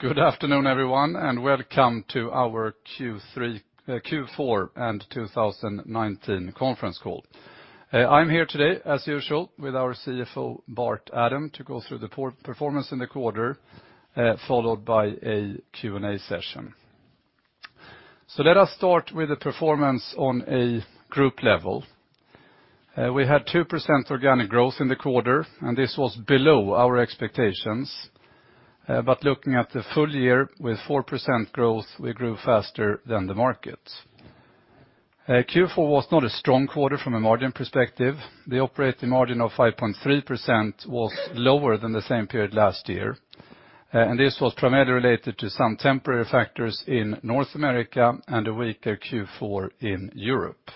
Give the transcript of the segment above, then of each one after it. Good afternoon, everyone, and welcome to our Q4 and 2019 conference call. I'm here today, as usual, with our CFO, Bart Adam, to go through the performance in the quarter, followed by a Q&A session. Let us start with the performance on a group level. We had 2% organic growth in the quarter, and this was below our expectations. Looking at the full year with 4% growth, we grew faster than the market. Q4 was not a strong quarter from a margin perspective. The operating margin of 5.3% was lower than the same period last year, and this was primarily related to some temporary factors in North America and a weaker Q4 in Europe.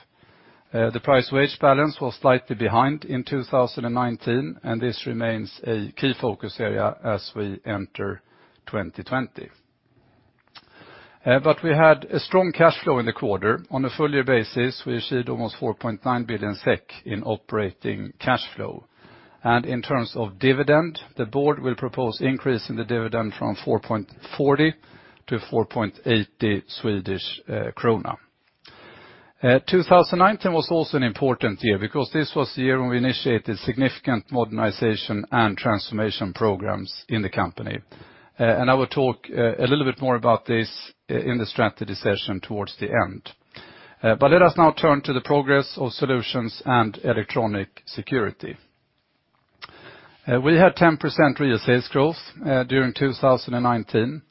The price wage balance was slightly behind in 2019, and this remains a key focus area as we enter 2020. We had a strong cash flow in the quarter. On a full year basis, we achieved almost 4.9 billion SEK in operating cash flow. In terms of dividend, the board will propose increasing the dividend from 4.40 to 4.80 Swedish krona. 2019 was also an important year because this was the year when we initiated significant modernization and transformation programs in the company. I will talk a little bit more about this in the strategy session towards the end. Let us now turn to the progress of solutions and electronic security. We had 10% real sales growth during 2019,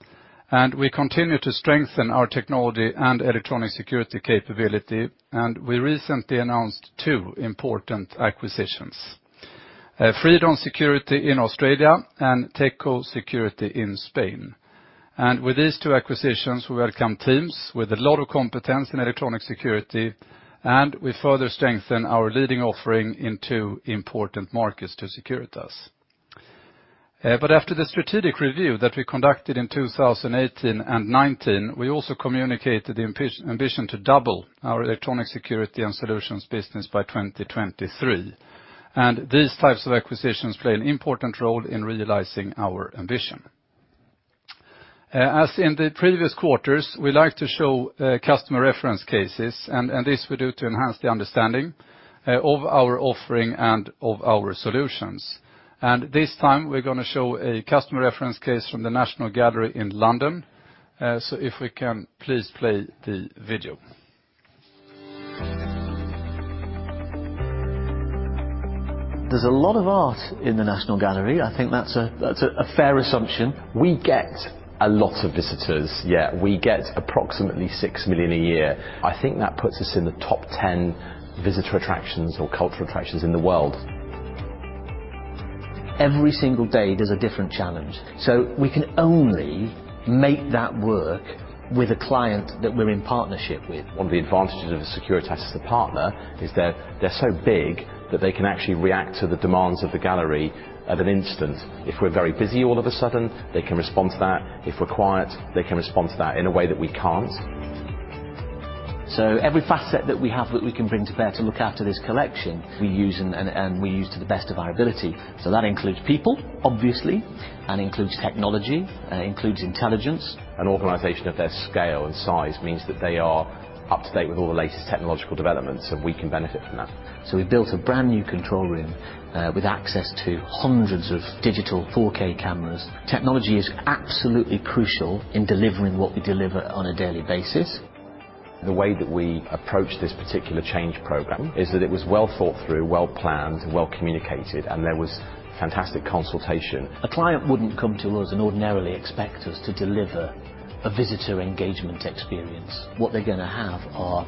and we continue to strengthen our technology and electronic security capability. We recently announced two important acquisitions, Fredon Security in Australia and Techco Security in Spain. With these two acquisitions, we welcome teams with a lot of competence in electronic security, and we further strengthen our leading offering in two important markets to Securitas. After the strategic review that we conducted in 2018 and 2019, we also communicated the ambition to double our electronic security and solutions business by 2023. These types of acquisitions play an important role in realizing our ambition. As in the previous quarters, we like to show customer reference cases, and this we do to enhance the understanding of our offering and of our solutions. This time, we're going to show a customer reference case from the National Gallery in London. If we can please play the video. There's a lot of art in the National Gallery. I think that's a fair assumption. We get a lot of visitors. Yeah, we get approximately 6 million a year. I think that puts us in the top 10 visitor attractions or cultural attractions in the world. Every single day there's a different challenge, so we can only make that work with a client that we're in partnership with. One of the advantages of Securitas as a partner is they're so big that they can actually react to the demands of the gallery at an instant. If we're very busy, all of a sudden, they can respond to that. If we're quiet, they can respond to that in a way that we can't. Every facet that we have that we can bring to bear to look after this collection, we use, and we use to the best of our ability. That includes people, obviously, and includes technology, includes intelligence. An organization of their scale and size means that they are up to date with all the latest technological developments, and we can benefit from that. We built a brand new control room with access to hundreds of digital 4K cameras. Technology is absolutely crucial in delivering what we deliver on a daily basis. The way that we approach this particular change program is that it was well thought through, well planned, well communicated, and there was fantastic consultation. A client wouldn't come to us and ordinarily expect us to deliver a visitor engagement experience. What they're going to have are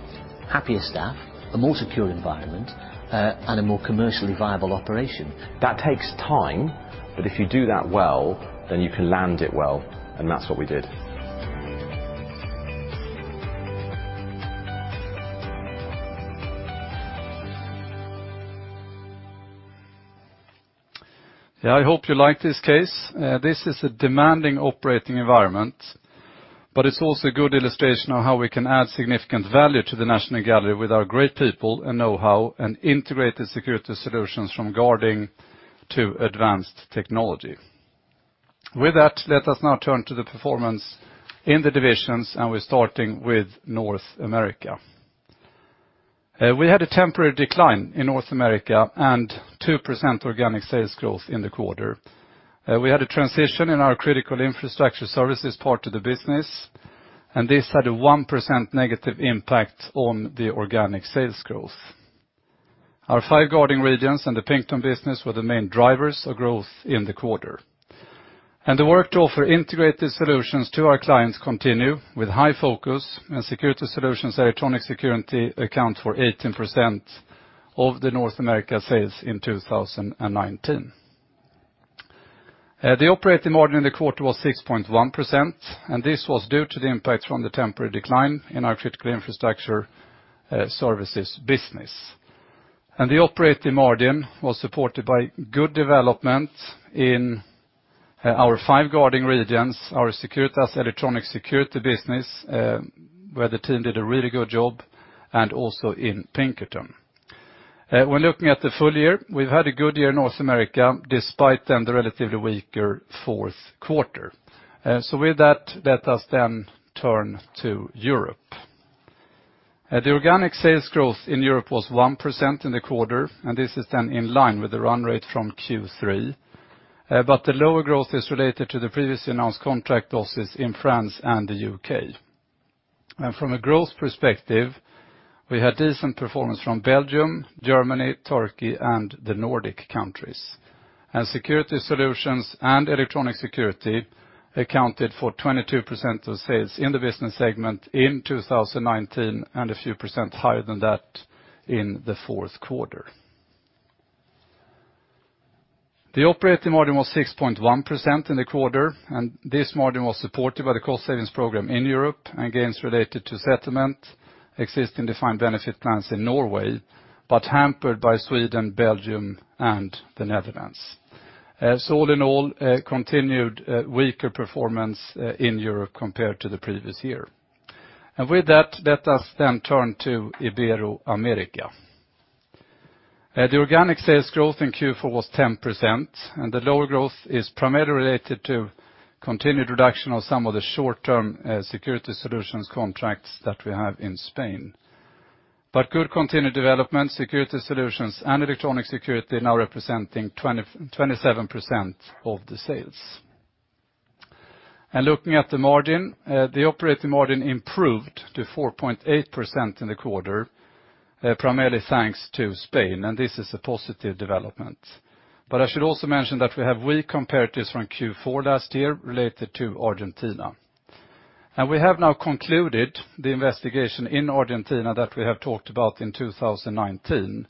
happier staff, a more secure environment, and a more commercially viable operation. That takes time, but if you do that well, then you can land it well, and that's what we did. Yeah, I hope you like this case. This is a demanding operating environment, but it is also a good illustration of how we can add significant value to the National Gallery with our great people and know-how and integrated security solutions from guarding to advanced technology. With that, let us now turn to the performance in the divisions, and we are starting with North America. We had a temporary decline in North America and 2% organic sales growth in the quarter. We had a transition in our critical infrastructure services part of the business, and this had a 1% negative impact on the organic sales growth. Our five guarding regions and the Pinkerton business were the main drivers of growth in the quarter. The work to offer integrated solutions to our clients continue with high focus, and Securitas solutions electronic security account for 18% of the North America sales in 2019. The operating margin in the quarter was 6.1%. This was due to the impact from the temporary decline in our critical infrastructure services business. The operating margin was supported by good development in our five guarding regions, our Securitas Electronic Security business, where the team did a really good job, and also in Pinkerton. When looking at the full year, we've had a good year in North America despite the relatively weaker fourth quarter. With that, let us turn to Europe. The organic sales growth in Europe was 1% in the quarter, and this is then in line with the run rate from Q3. The lower growth is related to the previously announced contract losses in France and the U.K. From a growth perspective, we had decent performance from Belgium, Germany, Turkey, and the Nordic countries. Security solutions and electronic security accounted for 22% of sales in the business segment in 2019, a few percent higher than that in the fourth quarter. The operating margin was 6.1% in the quarter; this margin was supported by the cost savings program in Europe and gains related to settlement, existing defined benefit plans in Norway, but hampered by Sweden, Belgium, and the Netherlands. All in all, continued weaker performance in Europe compared to the previous year. With that, let us then turn to Ibero-America. The organic sales growth in Q4 was 10%, the lower growth is primarily related to continued reduction of some of the short-term security solutions contracts that we have in Spain. Good continued development, security solutions and electronic security now representing 27% of the sales. Looking at the margin, the operating margin improved to 4.8% in the quarter, primarily thanks to Spain. This is a positive development. I should also mention that we have weak comparatives from Q4 last year related to Argentina. We have now concluded the investigation in Argentina that we have talked about in 2019.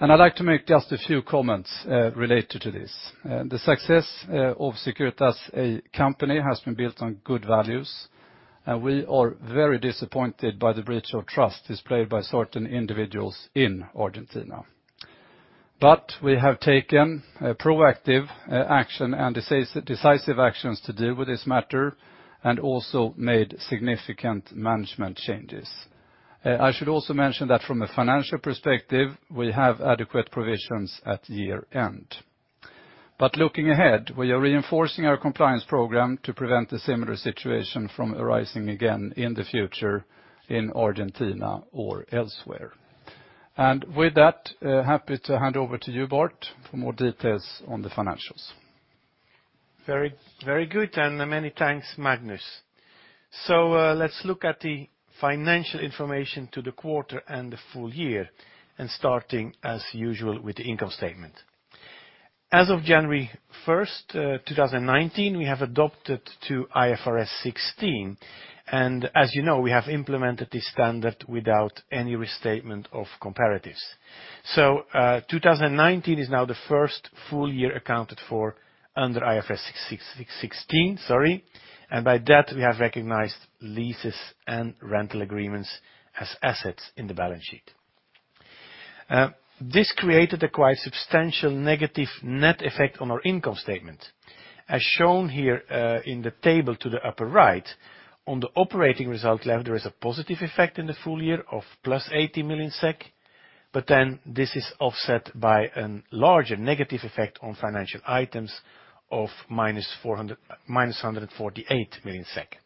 I'd like to make just a few comments related to this. The success of Securitas as a company has been built on good values. We are very disappointed by the breach of trust displayed by certain individuals in Argentina. We have taken proactive action and decisive actions to deal with this matter and also made significant management changes. I should also mention that from a financial perspective, we have adequate provisions at year-end. Looking ahead, we are reinforcing our compliance program to prevent a similar situation from arising again in the future in Argentina or elsewhere. With that, happy to hand over to you, Bart, for more details on the financials. Very good, and many thanks, Magnus. Let's look at the financial information to the quarter and the full year, and starting as usual with the income statement. As of January 1st, 2019, we have adopted to IFRS 16, and as you know, we have implemented this standard without any restatement of comparatives. 2019 is now the first full year accounted for under IFRS 16, sorry. By that, we have recognized leases and rental agreements as assets in the balance sheet. This created a quite substantial negative net effect on our income statement. As shown here in the table to the upper right, on the operating result level, there is a positive effect in the full year of +80 million SEK, but then this is offset by a larger negative effect on financial items of -148 million SEK.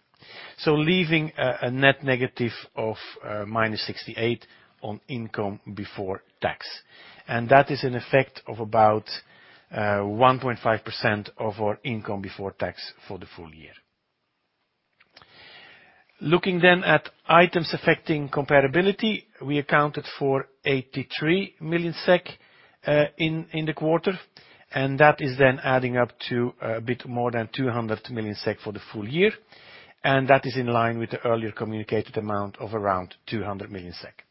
Leaving a net negative of -68 million on income before tax. That is an effect of about 1.5% of our income before tax for the full year. Looking at items affecting comparability, we accounted for 83 million SEK in the quarter, that is adding up to a bit more than 200 million SEK for the full year, that is in line with the earlier communicated amount of around 200 million SEK.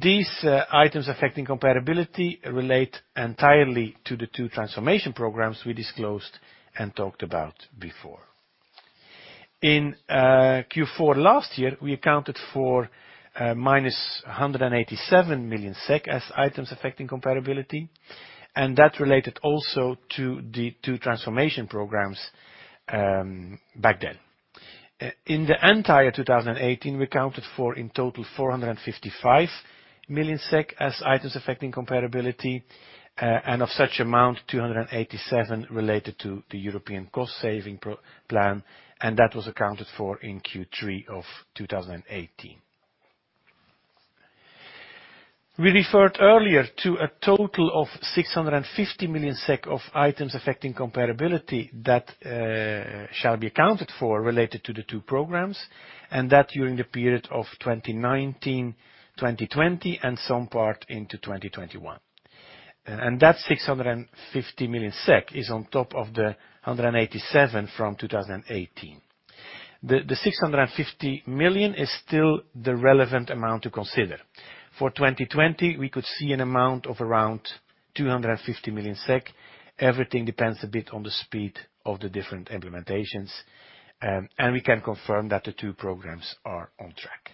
These items affecting comparability relate entirely to the two transformation programs we disclosed and talked about before. In Q4 last year, we accounted for -187 million SEK as items affecting comparability, that related also to the two transformation programs back then. In the entire 2018, we accounted for, in total, 455 million SEK as items affecting comparability, of such amount, 287 million related to the European cost saving plan, that was accounted for in Q3 of 2018. We referred earlier to a total of 650 million SEK of items affecting comparability that shall be accounted for related to the two programs, that during the period of 2019, 2020, and some part into 2021. That 650 million SEK is on top of the 287 million from 2018. The 650 million is still the relevant amount to consider. For 2020, we could see an amount of around 250 million SEK. Everything depends a bit on the speed of the different implementations and we can confirm that the two programs are on track.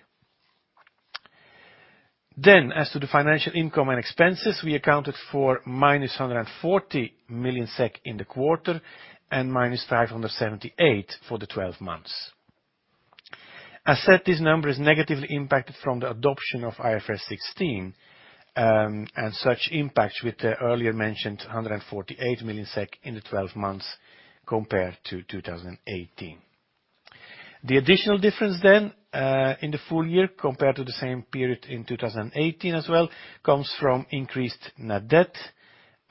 As to the financial income and expenses, we accounted for -140 million SEK in the quarter and -578 million for the 12 months. I said this number is negatively impacted from the adoption of IFRS 16, and such impacts with the earlier mentioned -148 million SEK in the 12 months compared to 2018. The additional difference then in the full year compared to the same period in 2018 as well comes from increased net debt,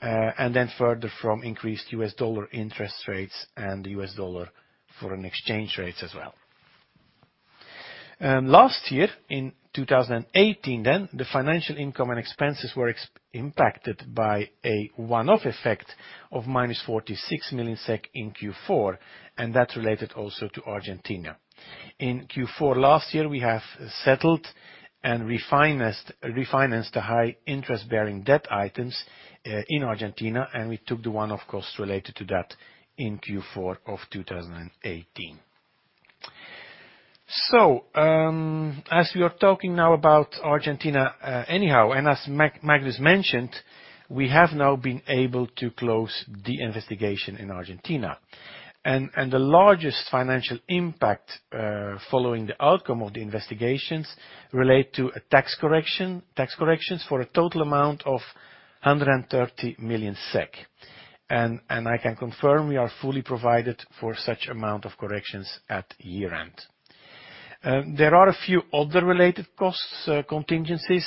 and then further from increased U.S. dollar interest rates and the U.S. dollar foreign exchange rates as well. Last year, in 2018 then, the financial income and expenses were impacted by a one-off effect of -46 million SEK in Q4, and that related also to Argentina. In Q4 last year, we have settled and refinanced the high interest-bearing debt items in Argentina, and we took the one-off cost related to that in Q4 of 2018. As we are talking now about Argentina anyhow, and as Magnus mentioned, we have now been able to close the investigation in Argentina. The largest financial impact following the outcome of the investigations relate to a tax corrections for a total amount of 130 million SEK. I can confirm we are fully provided for such amount of corrections at year-end. There are a few other related costs, contingencies,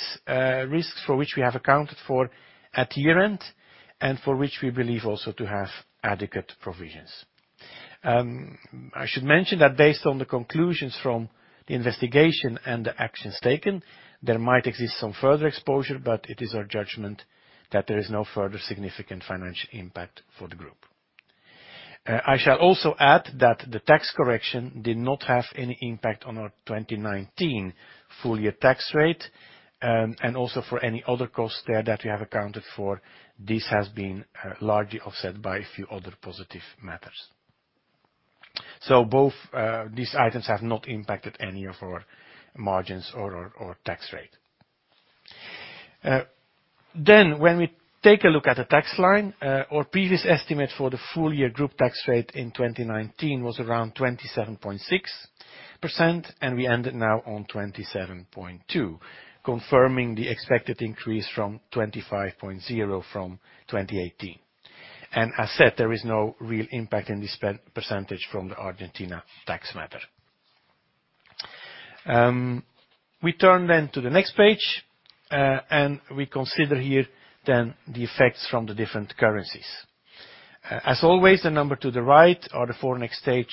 risks for which we have accounted for at year-end, and for which we believe also to have adequate provisions. I should mention that based on the conclusions from the investigation and the actions taken, there might exist some further exposure, but it is our judgment that there is no further significant financial impact for the group. I shall also add that the tax correction did not have any impact on our 2019 full-year tax rate, and also for any other costs there that we have accounted for, this has been largely offset by a few other positive matters. Both these items have not impacted any of our margins or tax rate. When we take a look at the tax line, our previous estimate for the full-year group tax rate in 2019 was around 27.6%, and we ended now on 27.2%, confirming the expected increase from 25.0% from 2018. As said, there is no real impact in this percentage from the Argentina tax matter. We turn then to the next page. We consider here then the effects from the different currencies. As always, the number to the right are the foreign exchange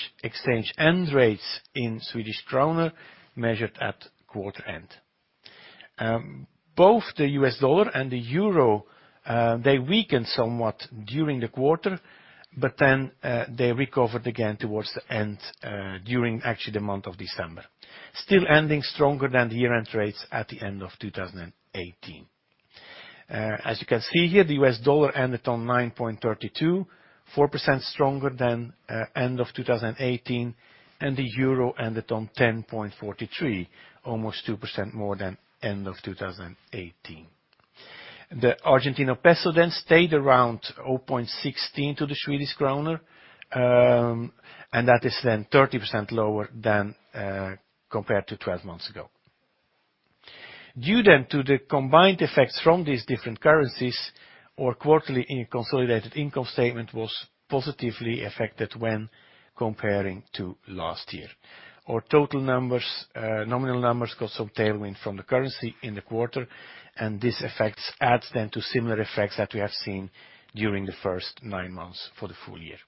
end rates in Swedish krona measured at quarter end. Both the US dollar and the euro, they weakened somewhat during the quarter. They recovered again towards the end during actually the month of December, still ending stronger than the year-end rates at the end of 2018. As you can see here, the U.S. dollar ended on 9.32, 4% stronger than end of 2018. The euro ended on 10.43, almost 2% more than end of 2018. The Argentine peso then stayed around 0.16 to the Swedish krona. That is then 30% lower than compared to 12 months ago. Due to the combined effects from these different currencies, our quarterly consolidated income statement was positively affected when comparing to last year. Our total nominal numbers got some tailwind from the currency in the quarter, and this effects adds then to similar effects that we have seen during the first nine months for the full year.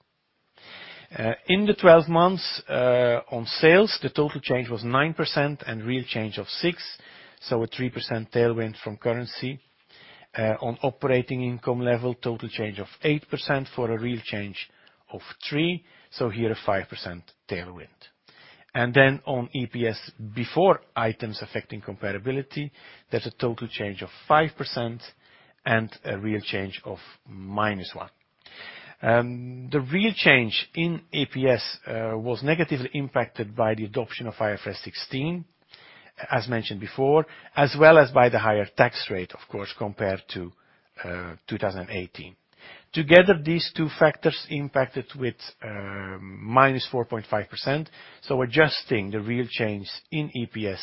In the 12 months on sales, the total change was 9% and real change of 6%, so a 3% tailwind from currency. On operating income level, total change of 8% for a real change of 3%, so here a 5% tailwind. On EPS before items affecting comparability, there's a total change of 5% and a real change of -1%. The real change in EPS was negatively impacted by the adoption of IFRS 16, as mentioned before, as well as by the higher tax rate, of course, compared to 2018. Together, these two factors impacted with -4.5%, so adjusting the real change in EPS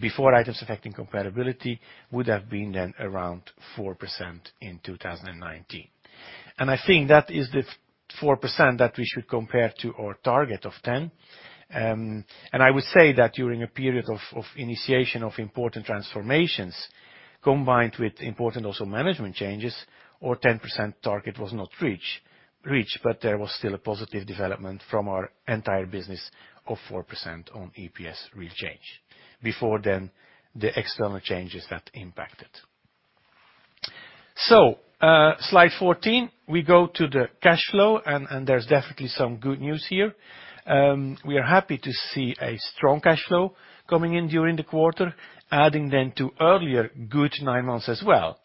before items affecting comparability would have been then around 4% in 2019. I think that is the 4% that we should compare to our target of 10%. I would say that during a period of initiation of important transformations, combined with important also management changes, our 10% target was not reached, but there was still a positive development from our entire business of 4% on EPS real change, before then the external changes that impacted. Slide 14, we go to the cash flow, and there's definitely some good news here. We are happy to see a strong cash flow coming in during the quarter, adding then to earlier good nine months as well.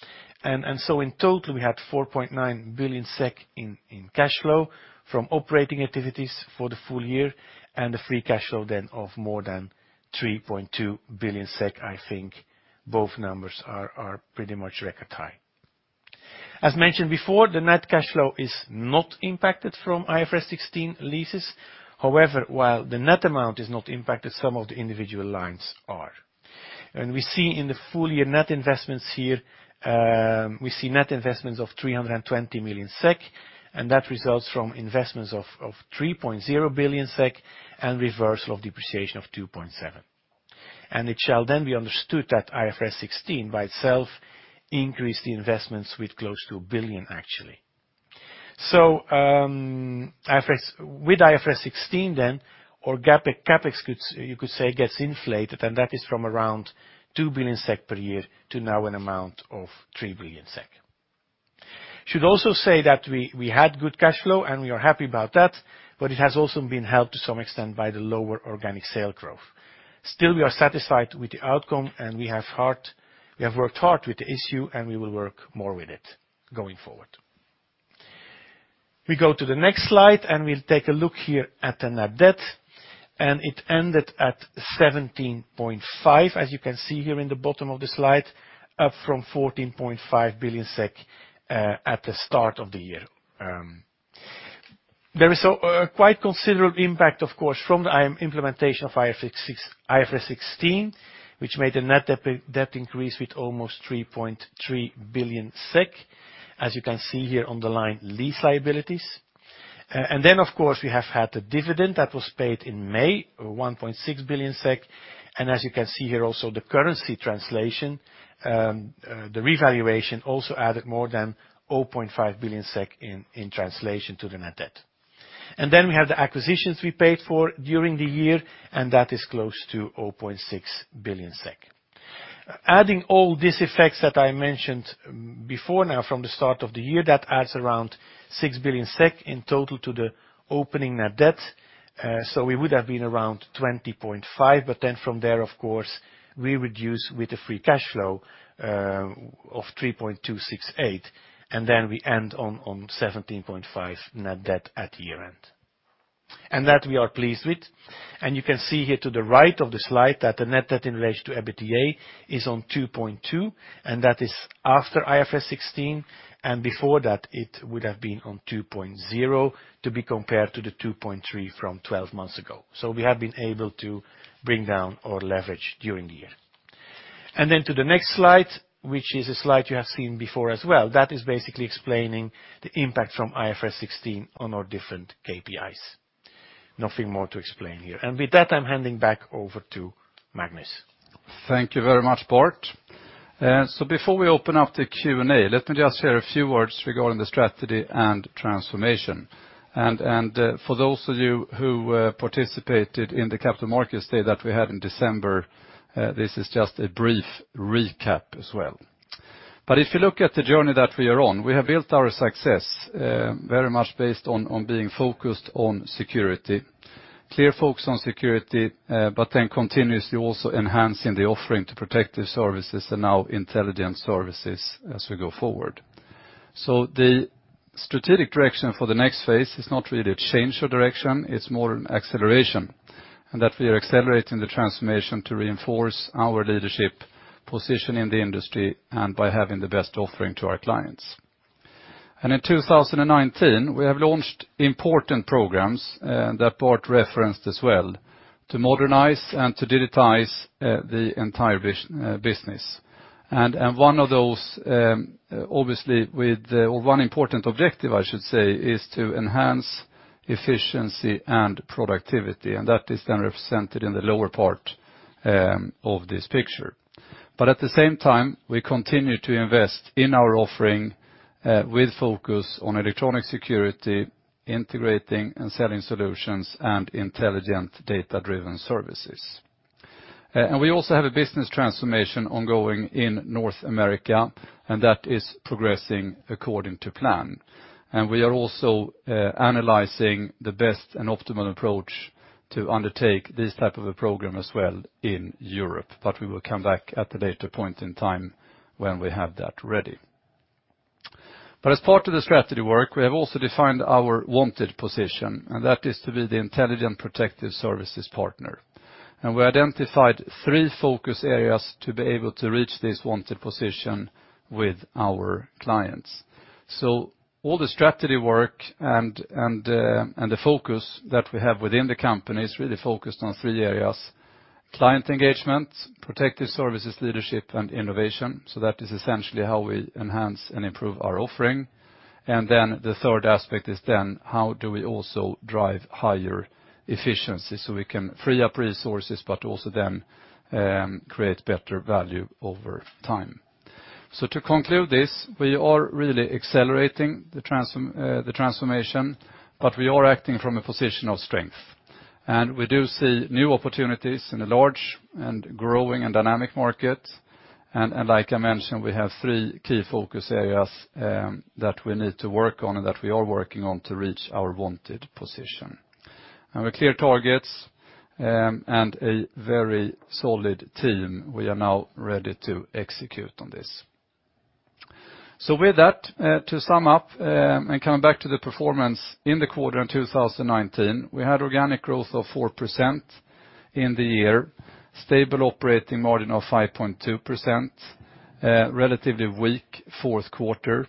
In total we had 4.9 billion SEK in cash flow from operating activities for the full year and a free cash flow then of more than 3.2 billion SEK. I think both numbers are pretty much record high. As mentioned before, the net cash flow is not impacted from IFRS 16 leases. However, while the net amount is not impacted, some of the individual lines are. We see in the full-year net investments here, we see net investments of 320 million SEK, and that results from investments of 3.0 billion SEK and reversal of depreciation of 2.7 billion. It shall then be understood that IFRS 16 by itself increased the investments with close to 1 billion, actually. With IFRS 16, then, our CapEx, you could say, gets inflated, and that is from around 2 billion SEK per year to now an amount of 3 billion SEK. Should also say that we had good cash flow, and we are happy about that, but it has also been helped to some extent by the lower organic sale growth. Still, we are satisfied with the outcome, and we have worked hard with the issue, and we will work more with it going forward. We go to the next slide. We'll take a look here at the net debt. It ended at 17.5 billion, as you can see here in the bottom of the slide, up from 14.5 billion SEK at the start of the year. There is a quite considerable impact, of course, from the implementation of IFRS 16, which made the net debt increase with almost 3.3 billion SEK, as you can see here on the line lease liabilities. Of course, we have had a dividend that was paid in May of 1.6 billion SEK. As you can see here also, the currency translation, the revaluation also added more than 0.5 billion SEK in translation to the net debt. Then we have the acquisitions we paid for during the year, and that is close to 0.6 billion SEK. Adding all these effects that I mentioned before, now from the start of the year, that adds around 6 billion SEK in total to the opening net debt. We would have been around 20.5 billion, but then from there, of course, we reduce with the free cash flow of 3.268 billion, and then we end on 17.5 billion net debt at year-end. That we are pleased with. You can see here, to the right of the slide, that the net debt in relation to EBITDA is on 2.2x, that is after IFRS 16, and before that it would have been on 2.0x to be compared to the 2.3x from 12 months ago. We have been able to bring down our leverage during the year. To the next slide, which is a slide you have seen before as well. That is basically explaining the impact from IFRS 16 on our different KPIs. Nothing more to explain here. With that, I'm handing back over to Magnus. Thank you very much, Bart. Before we open up the Q&A, let me just share a few words regarding the strategy and transformation. For those of you who participated in the Capital Markets Day that we had in December, this is just a brief recap as well. If you look at the journey that we are on, we have built our success very much based on being focused on security. Clear focus on security, continuously also enhancing the offering to protective services, and now intelligent services as we go forward. The strategic direction for the next phase is not really a change of direction; it's more an acceleration, and that we are accelerating the transformation to reinforce our leadership position in the industry and by having the best offering to our clients. In 2019, we have launched important programs that Bart referenced as well to modernize and to digitize the entire business. One important objective, I should say, is to enhance efficiency and productivity, and that is then represented in the lower part of this picture. At the same time, we continue to invest in our offering with focus on electronic security, integrating and selling solutions, and intelligent data-driven services. We also have a business transformation ongoing in North America, and that is progressing according to plan. We are also analyzing the best and optimal approach to undertake this type of a program as well in Europe. We will come back at a later point in time when we have that ready. As part of the strategy work, we have also defined our wanted position, and that is to be the intelligent protective services partner. We identified three focus areas to be able to reach this wanted position with our clients. All the strategy work and the focus that we have within the company is really focused on three areas: client engagement, protective services leadership, and innovation. That is essentially how we enhance and improve our offering. The third aspect is then how do we also drive higher efficiency so we can free up resources, but also then create better value over time. To conclude this, we are really accelerating the transformation, but we are acting from a position of strength. We do see new opportunities in a large and growing and dynamic market. Like I mentioned, we have three key focus areas that we need to work on and that we are working on to reach our wanted position. With clear targets and a very solid team, we are now ready to execute on this. With that, to sum up and come back to the performance in the quarter in 2019, we had organic growth of 4% in the year, stable operating margin of 5.2%. A relatively weak fourth quarter.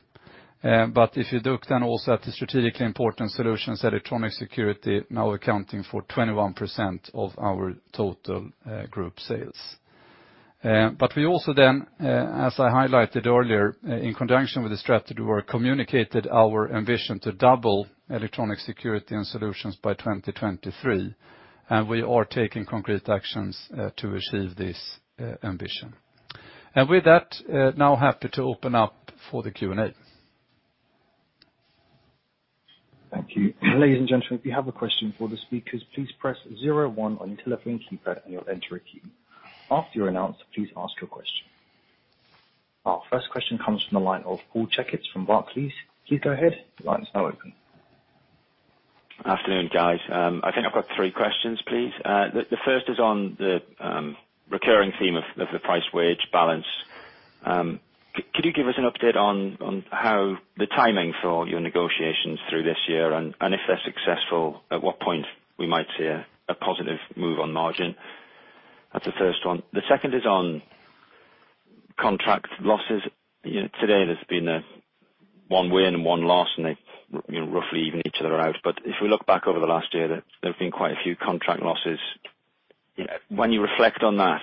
If you look then also at the strategically important solutions, electronic security now accounting for 21% of our total group sales. We also then, as I highlighted earlier, in conjunction with the strategy, we communicated our ambition to double electronic security and solutions by 2023, and we are taking concrete actions to achieve this ambition. With that, now happy to open up for the Q&A. Thank you. Ladies and gentlemen, if you have a question for the speakers, please press zero one on your telephone keypad and your enter key. After you are announced, please ask your question. Our first question comes from the line of Paul Checketts from Barclays. Please go ahead. The line is now open. Afternoon, guys. I think, I've got three questions, please. The first is on the recurring theme of the price wage balance. Could you give us an update on how the timing for your negotiations through this year and, if they're successful, at what point we might see a positive move on margin? That's the first one. The second is on contract losses. Today, there's been one win and one loss; they roughly even each other out. If we look back over the last year, there have been quite a few contract losses. When you reflect on that,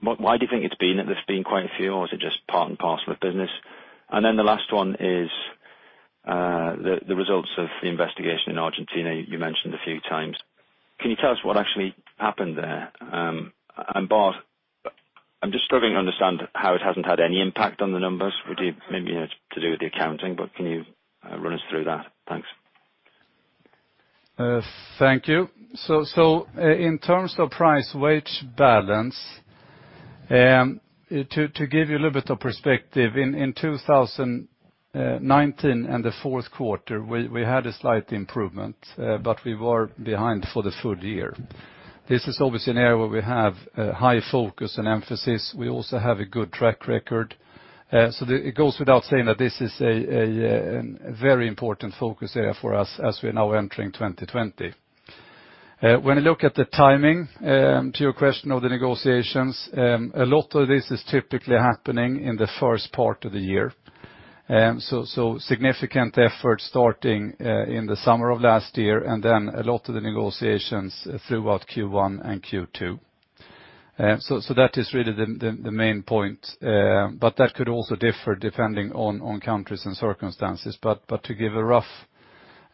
why do you think there's been quite a few, or is it just part and parcel of business? The last one is the results of the investigation in Argentina, you mentioned a few times. Can you tell us what actually happened there? Bart, I'm just struggling to understand how it hasn't had any impact on the numbers. Maybe it's to do with the accounting, but can you run us through that? Thanks. Thank you. In terms of price wage balance, to give you a little bit of perspective, in 2019 and the 4th quarter, we had a slight improvement, but we were behind for the full year. This is obviously an area where we have high focus and emphasis. We also have a good track record. It goes without saying that this is a very important focus area for us as we're now entering 2020. When you look at the timing, to your question on the negotiations, a lot of this is typically happening in the first part of the year. Significant effort starting in the summer of last year, and then a lot of the negotiations throughout Q1 and Q2. That is really the main point. That could also differ depending on countries and circumstances. To give a rough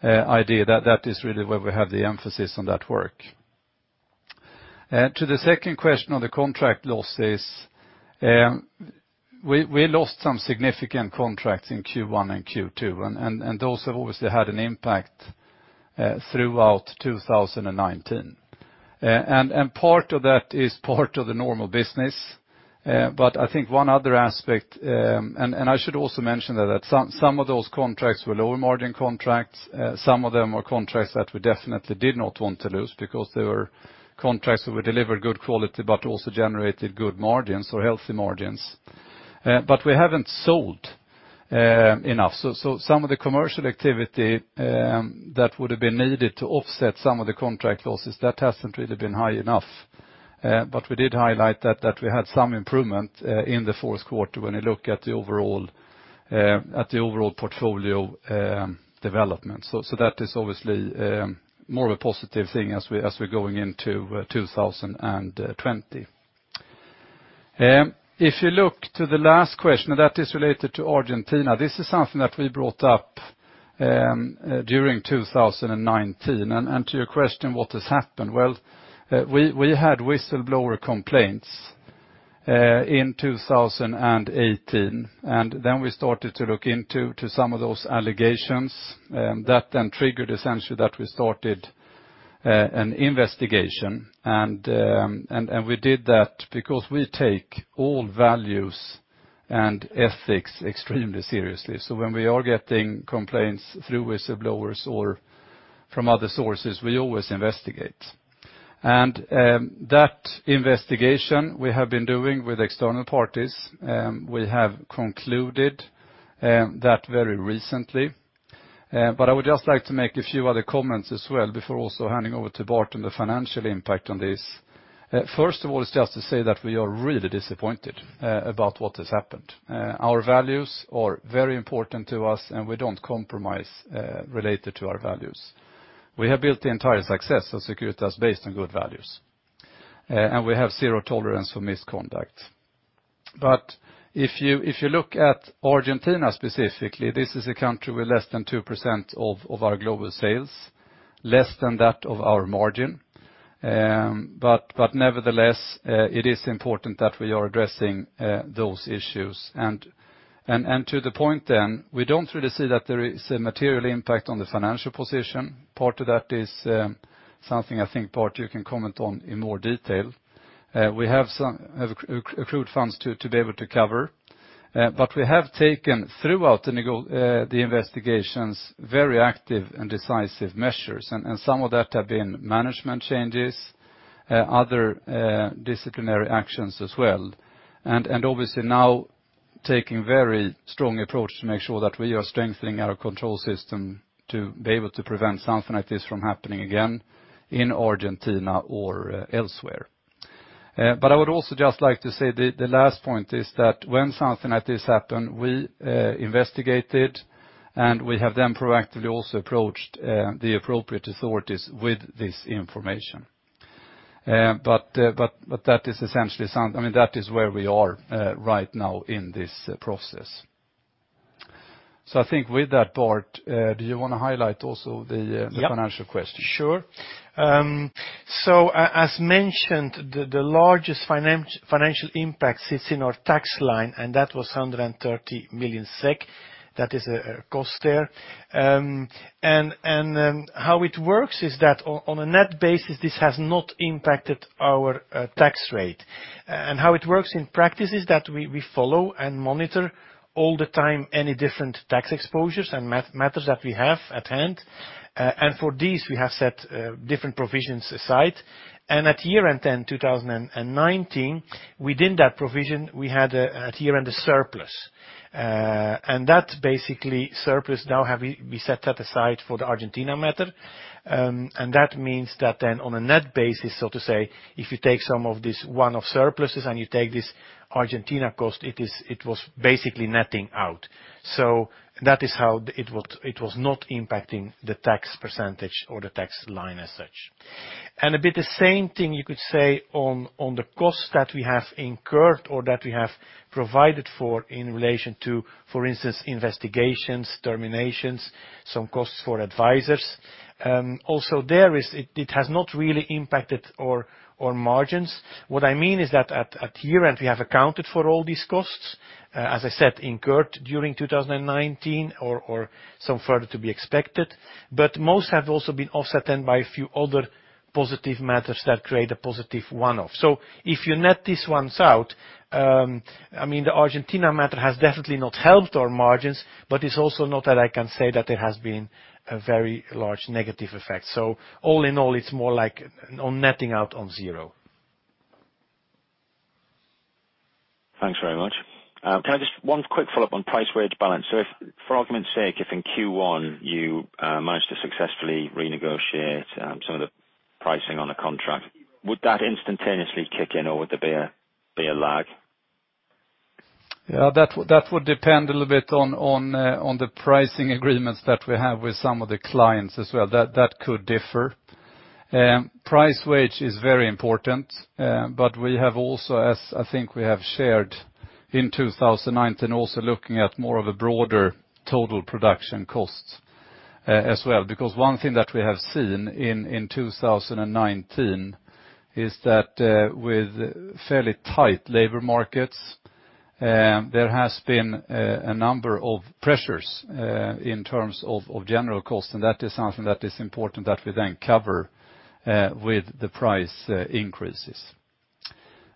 idea, that is really where we have the emphasis on that work. To the second question on the contract losses, we lost some significant contracts in Q1 and Q2, and those have obviously had an impact throughout 2019. Part of that is part of the normal business. I think one other aspect, and I should also mention that some of those contracts were lower margin contracts. Some of them were contracts that we definitely did not want to lose because they were contracts that would deliver good quality, but also generated good margins or healthy margins. We haven't sold enough. Some of the commercial activity that would have been needed to offset some of the contract losses, that hasn't really been high enough. We did highlight that we had some improvement in the fourth quarter when you look at the overall portfolio development. That is obviously more of a positive thing as we're going into 2020. If you look to the last question, and that is related to Argentina, this is something that we brought up during 2019. To your question, what has happened? Well, we had whistleblower complaints in 2018, and then we started to look into some of those allegations. That then triggered essentially that we started an investigation. We did that because we take all values and ethics extremely seriously. When we are getting complaints through whistleblowers or from other sources, we always investigate. That investigation we have been doing with external parties, we have concluded that very recently. I would just like to make a few other comments as well before also handing over to Bart on the financial impact on this. First of all, it's just to say that we are really disappointed about what has happened. Our values are very important to us, and we don't compromise related to our values. We have built the entire success of Securitas based on good values. We have zero tolerance for misconduct. If you look at Argentina specifically, this is a country with less than 2% of our global sales, less than that of our margin. Nevertheless, it is important that we are addressing those issues. To the point, then, we don't really see that there is a material impact on the financial position. Part of that is something I think, Bart, you can comment on in more detail. We have some accrued funds to be able to cover. We have taken throughout the investigations very active and decisive measures, and some of that have been management changes, other disciplinary actions as well. Obviously, now taking very strong approach to make sure that we are strengthening our control system to be able to prevent something like this from happening again, in Argentina or elsewhere. I would also just like to say the last point is that when something like this happen, we investigate it, and we have then proactively also approached the appropriate authorities with this information. That is where we are right now in this process. I think with that Bart, do you want to highlight also the financial question? Yeah. Sure. As mentioned, the largest financial impact sits in our tax line, and that was 130 million SEK. That is a cost there. How it works is that on a net basis, this has not impacted our tax rate. How it works in practice is that we follow and monitor all the time any different tax exposures and matters that we have at hand. For these, we have set different provisions aside. At year-end 2019, within that provision, we had at year-end a surplus. That basically surplus now, we set that aside for the Argentina matter. That means that then on a net basis, so to say, if you take some of these one-off surpluses and you take this Argentina cost, it was basically netting out. That is how it was not impacting the tax percentage or the tax line as such. A bit the same thing you could say on the cost that we have incurred or that we have provided for in relation to, for instance, investigations, terminations, some costs for advisors. Also, there it has not really impacted our margins. What I mean is that at year-end, we have accounted for all these costs, as I said, incurred during 2019 or some further to be expected, but most have also been offset then by a few other positive matters that create a positive one-off. If you net these ones out, the Argentina matter has definitely not helped our margins, but it's also not that I can say that it has been a very large negative effect. All in all, it's more like netting out on zero. Thanks very much. Can I just one quick follow-up on price wage balance. If for argument's sake, if in Q1 you managed to successfully renegotiate some of the pricing on a contract, would that instantaneously kick in, or would there be a lag? That would depend a little bit on the pricing agreements that we have with some of the clients as well. That could differ. Price wage is very important, but we have also, as I think we have shared in 2019, also looking at more of a broader total production cost as well. One thing that we have seen in 2019 is that with fairly tight labor markets, there has been a number of pressures in terms of general cost, and that is something that is important that we then cover with the price increases.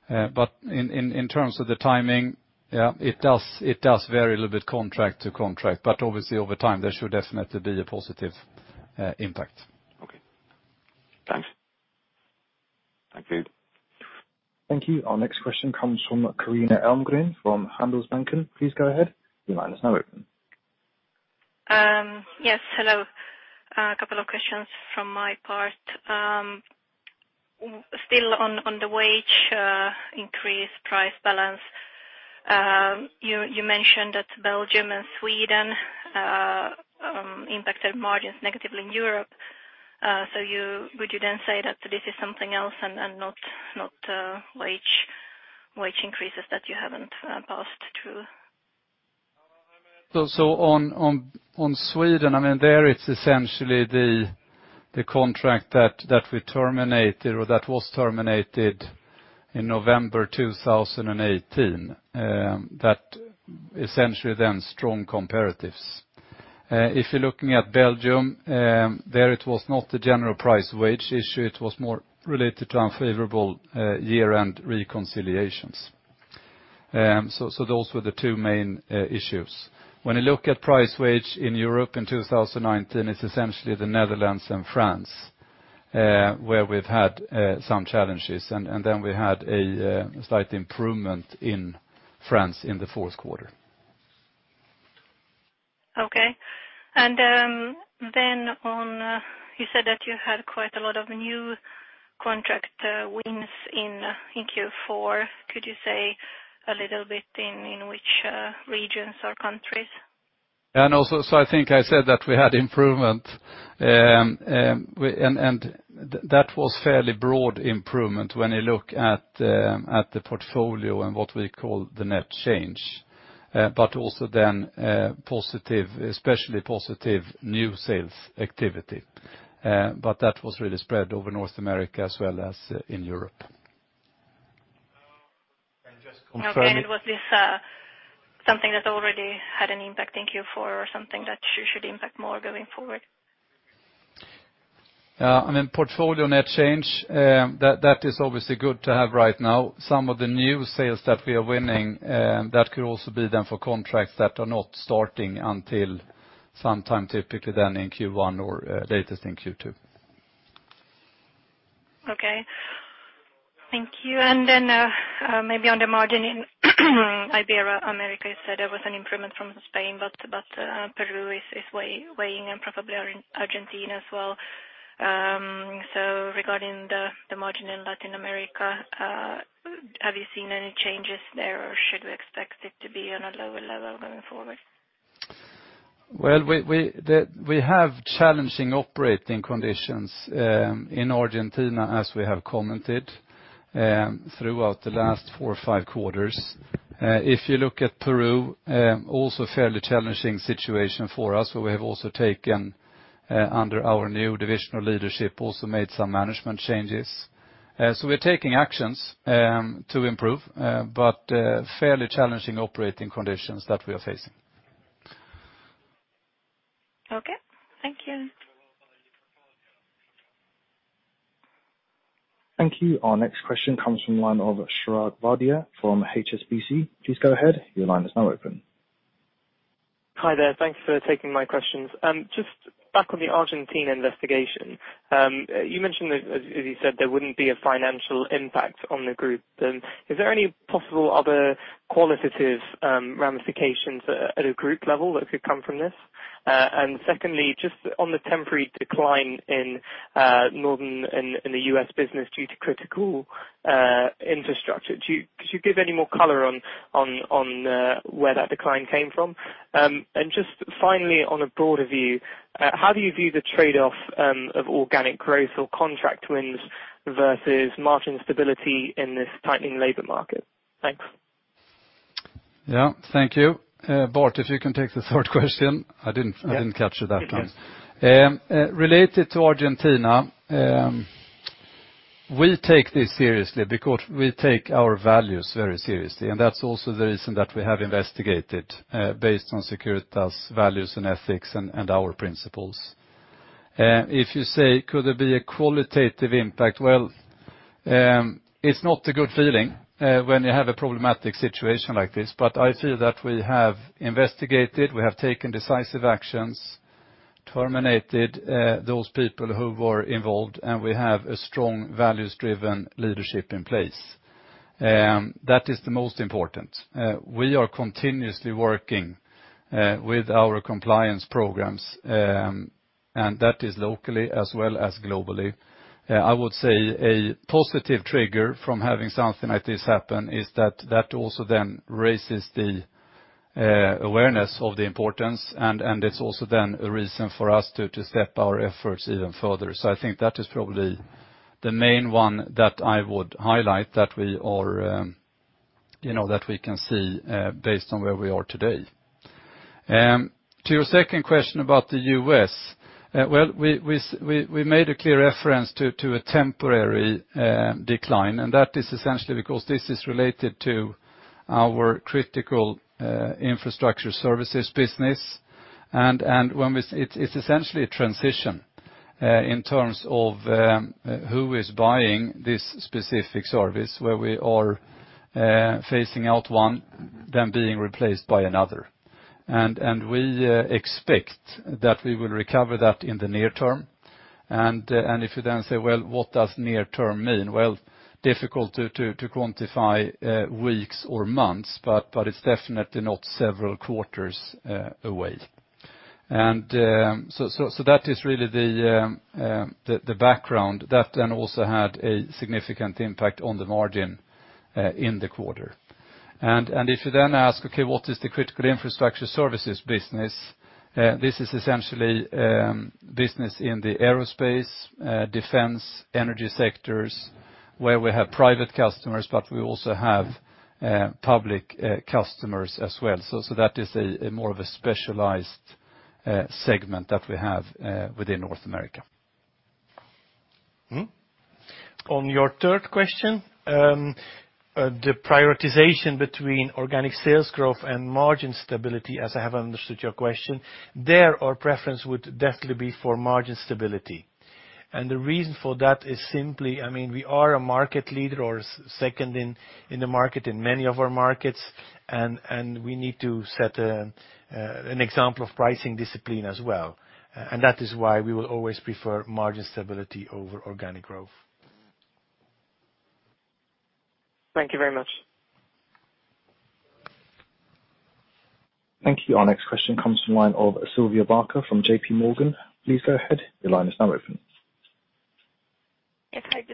In terms of the timing, it does vary a little bit contract to contract, but obviously over time, there should definitely be a positive impact. Okay. Thanks. Thank you. Thank you. Our next question comes from Carina Elmgren from Handelsbanken. Please go ahead. Your line is now open. Yes, hello. A couple of questions from my part. Still on the wage increase price balance, you mentioned that Belgium and Sweden impacted margins negatively in Europe. Would you then say that this is something else and not wage increases that you haven't passed through? On Sweden, there it's essentially the contract that we terminated or that was terminated in November 2018, that essentially then strong comparatives. If you're looking at Belgium, there it was not the general price wage issue. It was more related to unfavorable year-end reconciliations. Those were the two main issues. When you look at price wage in Europe in 2019, it's essentially the Netherlands and France, where we've had some challenges. Then we had a slight improvement in France in the fourth quarter. Okay. You said that you had quite a lot of new contract wins in Q4. Could you say a little bit in which regions or countries? I think I said that we had improvement. That was fairly broad improvement when you look at the portfolio and what we call the net change, but also then, especially positive new sales activity. That was really spread over North America as well as in Europe. Okay. Was this something that already had an impact in Q4 or something that should impact more going forward? I mean, portfolio net change, that is obviously good to have right now. Some of the new sales that we are winning, that could also be then for contracts that are not starting until sometime, typically then in Q1 or latest in Q2. Okay. Thank you. Then maybe on the margin in Ibero-America said there was an improvement from Spain, but Peru is weighing, and probably Argentina as well. Regarding the margin in Latin America, have you seen any changes there, or should we expect it to be on a lower level going forward? Well, we have challenging operating conditions in Argentina, as we have commented throughout the last four or five quarters. If you look at Peru, also fairly challenging situation for us, where we have also taken under our new divisional leadership also made some management changes. We're taking actions to improve, but fairly challenging operating conditions that we are facing. Okay. Thank you. Thank you. Our next question comes from the line of Chirag Vadhia from HSBC. Please go ahead. Your line is now open. Hi there. Thank you for taking my questions. Just back on the Argentina investigation. You mentioned that, as you said, there wouldn't be a financial impact on the group. Is there any possible other qualitative ramifications at a group level that could come from this? Secondly, just on the temporary decline in the U.S. business due to critical infrastructure, could you give any more color on where that decline came from? Just finally, on a broader view, how do you view the trade-off of organic growth or contract wins versus margin stability in this tightening labor market? Thanks. Yeah. Thank you. Bart, if you can take the third question. I didn't catch that one. Yes. Related to Argentina, we take this seriously because we take our values very seriously, and that's also the reason that we have investigated based on Securitas Values and Ethics and our principles. If you say, could there be a qualitative impact? Well, it's not a good feeling when you have a problematic situation like this, but I feel that we have investigated, we have taken decisive actions, terminated those people who were involved, and we have a strong values-driven leadership in place. That is the most important. We are continuously working with our compliance programs, and that is locally as well as globally. I would say a positive trigger from having something like this happen is that that also then raises the awareness of the importance, and it's also then a reason for us to step our efforts even further. I think that is probably the main one that I would highlight that we can see based on where we are today. To your second question about the U.S., well, we made a clear reference to a temporary decline, and that is essentially because this is related to our critical infrastructure services business. It's essentially a transition in terms of who is buying this specific service, where we are phasing out one, then being replaced by another. We expect that we will recover that in the near term. If you then say, "Well, what does near term mean?" Well, difficult to quantify weeks or months, but it's definitely not several quarters away. That is really the background that then also had a significant impact on the margin in the quarter. If you then ask, okay, what is the critical infrastructure services business? This is essentially business in the aerospace, defense, energy sectors, where we have private customers, but we also have public customers as well. That is a more of a specialized segment that we have within North America. On your third question, the prioritization between organic sales growth and margin stability, as I have understood your question, there our preference would definitely be for margin stability. The reason for that is simply, we are a market leader or second in the market in many of our markets, and we need to set an example of pricing discipline as well. That is why we will always prefer margin stability over organic growth. Thank you very much. Thank you. Our next question comes from line of Sylvia Barker from JPMorgan. Please go ahead. Your line is now open.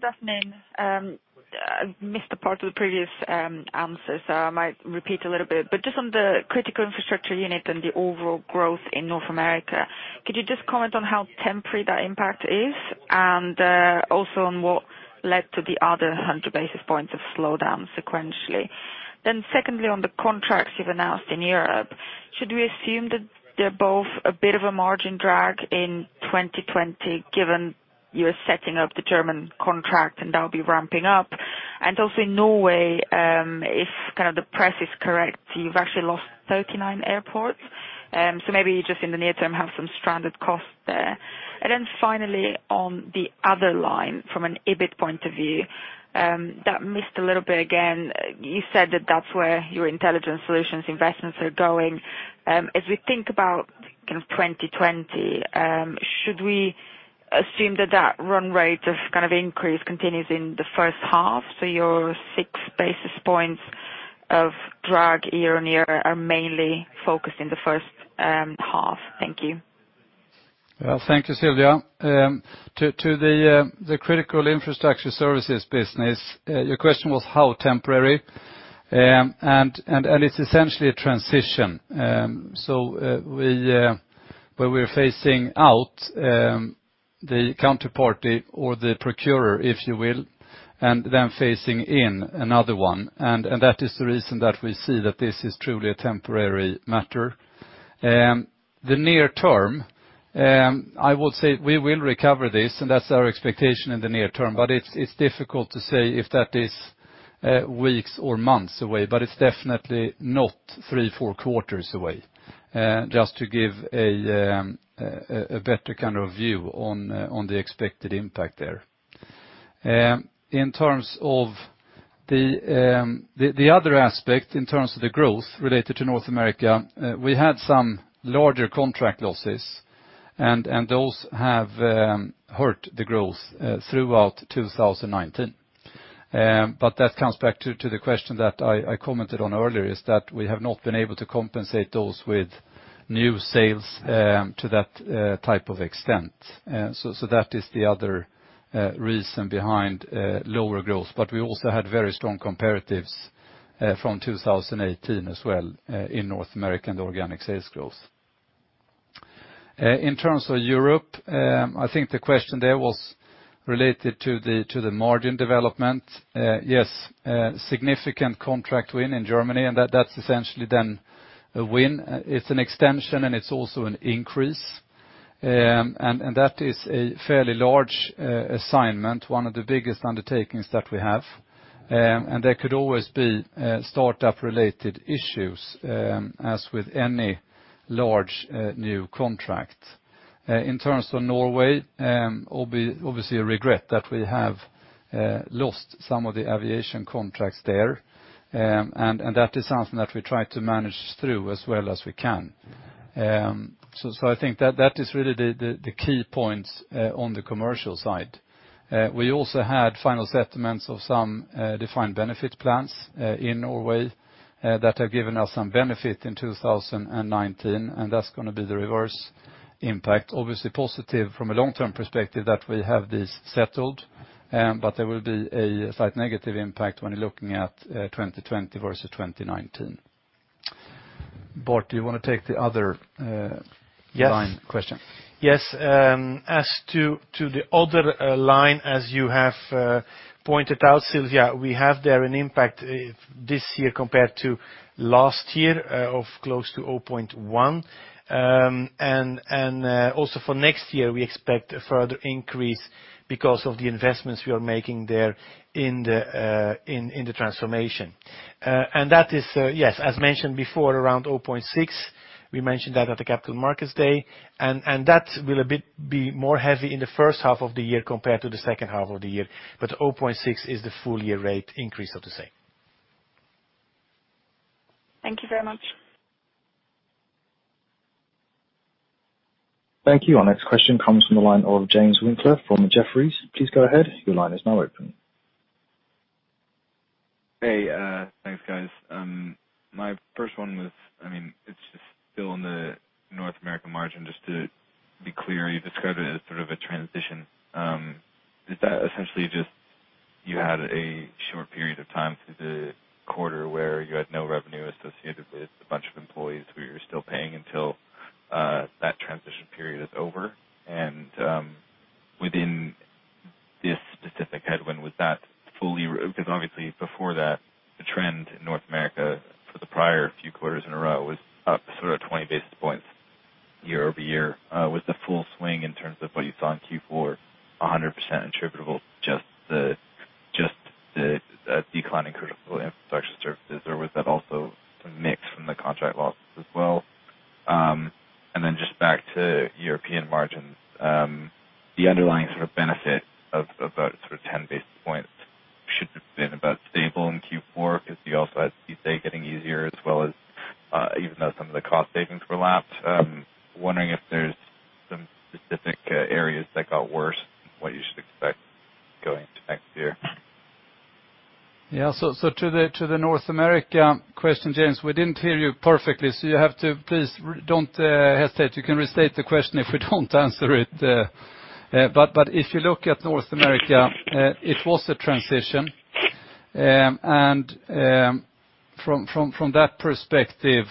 Yes. Hi, good afternoon. I missed a part of the previous answer. I might repeat a little bit. Just on the critical infrastructure services and the overall growth in North America, could you just comment on how temporary that impact is, and also on what led to the other 100 basis points of slowdown sequentially? Secondly, on the contracts you've announced in Europe, should we assume that they're both a bit of a margin drag in 2020 given your setting of the German contract, and that'll be ramping up? Also in Norway, if the press is correct, you've actually lost 39 airports. Maybe just in the near term, have some stranded costs there. Finally, on the other line from an EBIT point of view. You said that that's where your intelligent solutions investments are going. As we think about 2020, should we assume that that run rate of increase continues in the first half? Your 6 basis points of drag year-on-year are mainly focused in the first half? Thank you. Well, thank you, Sylvia. To the critical infrastructure services business, your question was how temporary, and it's essentially a transition. Where we're facing out the counterparty or the procurer, if you will, and then facing in another one, and that is the reason that we see that this is truly a temporary matter. The near term, I would say we will recover this, and that's our expectation in the near term. It's difficult to say if that is weeks or months away, but it's definitely not three, four quarters away. Just to give a better view on the expected impact there. The other aspect in terms of the growth related to North America, we had some larger contract losses, and those have hurt the growth throughout 2019. That comes back to the question that I commented on earlier, is that we have not been able to compensate those with new sales to that type of extent. That is the other reason behind lower growth. We also had very strong comparatives from 2018 as well in North American organic sales growth. In terms of Europe, I think the question there was related to the margin development. Yes, a significant contract win in Germany, and that's essentially then a win. It's an extension, and it's also an increase, and that is a fairly large assignment, one of the biggest undertakings that we have. There could always be startup-related issues, as with any large, new contract. In terms of Norway, obviously a regret that we have lost some of the aviation contracts there. That is something that we try to manage through as well as we can. I think that is really the key points on the commercial side. We also had final settlements of some defined benefit plans in Norway that have given us some benefit in 2019. That's going to be the reverse impact. Obviously positive from a long-term perspective that we have this settled. There will be a slight negative impact when you're looking at 2020 versus 2019. Bart, do you want to take the other line question? Yes. As to the other line, as you have pointed out, Sylvia, we have there an impact this year compared to last year of close to 0.1%. Also, for next year, we expect a further increase because of the investments we are making there in the transformation. That is, yes, as mentioned before, around 0.6%. We mentioned that at the Capital Markets Day, and that will be more heavy in the first half of the year compared to the second half of the year. 0.6% is the full year rate increase of the same. Thank you very much. Thank you. Our next question comes from the line of James Winckler from Jefferies. Please go ahead. Your line is now open. Hey, thanks, guys. My first one was, it's still on the North American margin. Just to be clear, you described it as sort of a transition. Is that essentially just you had a short period of time through the quarter where you had no revenue associated with a bunch of employees who you're still paying until that transition period is over? Within this specific headwind, because obviously, before that, the trend in North America for the prior few quarters in a row was up 20 basis points year-over-year. Was the full swing in terms of what you saw in Q4 100% attributable, just the decline in critical infrastructure services, or was that also some mix from the contract losses as well? Just back to European margins, the underlying benefit of about 10 basis points should have been about stable in Q4 because you also had CICE getting easier, as well as even though some of the cost savings were lapsed. I'm wondering if there's some specific areas that got worse than what you should expect going into next year? Yeah. To the North America question, James, we didn't hear you perfectly. You have to please, don't hesitate, you can restate the question if we don't answer it. If you look at North America, it was a transition. From that perspective,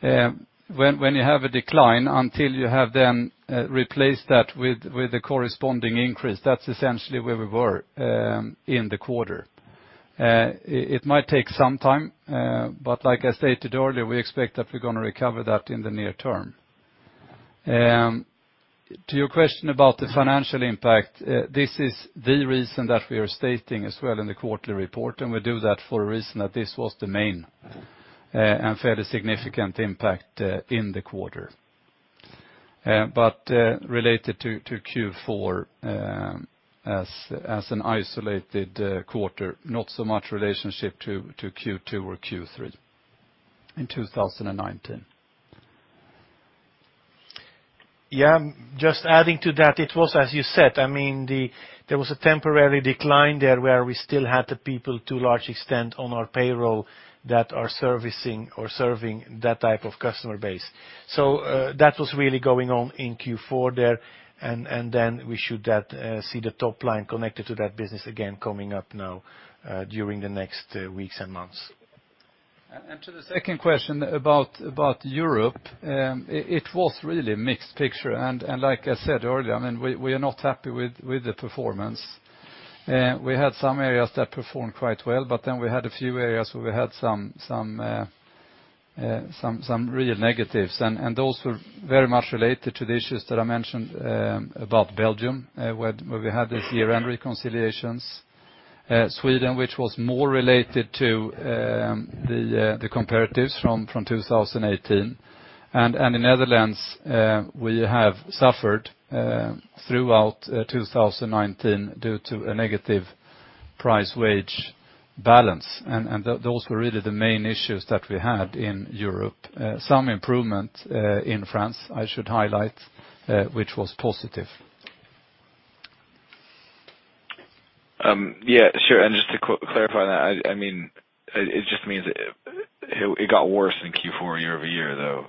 when you have a decline, until you have then replaced that with the corresponding increase, that's essentially where we were in the quarter. It might take some time, but like I stated earlier, we expect that we're going to recover that in the near term. To your question about the financial impact, this is the reason that we are stating as well in the quarterly report, and we do that for a reason that this was the main and fairly significant impact in the quarter. Related to Q4 as an isolated quarter, not so much relationship to Q2 or Q3 in 2019. Yeah. Just adding to that, it was as you said. There was a temporary decline there where we still had the people to a large extent on our payroll that are servicing or serving that type of customer base. That was really going on in Q4 there, and then we should see the top line connected to that business again coming up now during the next weeks and months. To the second question about Europe, it was really a mixed picture. Like I said earlier, we are not happy with the performance. We had some areas that performed quite well, but then we had a few areas where we had some real negatives, and those were very much related to the issues that I mentioned about Belgium, where we had these year-end reconciliations. Sweden, which was more related to the comparatives from 2018, and in Netherlands, we have suffered throughout 2019 due to a negative price wage balance. Those were really the main issues that we had in Europe. Some improvement in France, I should highlight, which was positive. Yeah, sure. Just to clarify that, it just means it got worse in Q4 year-over-year, though.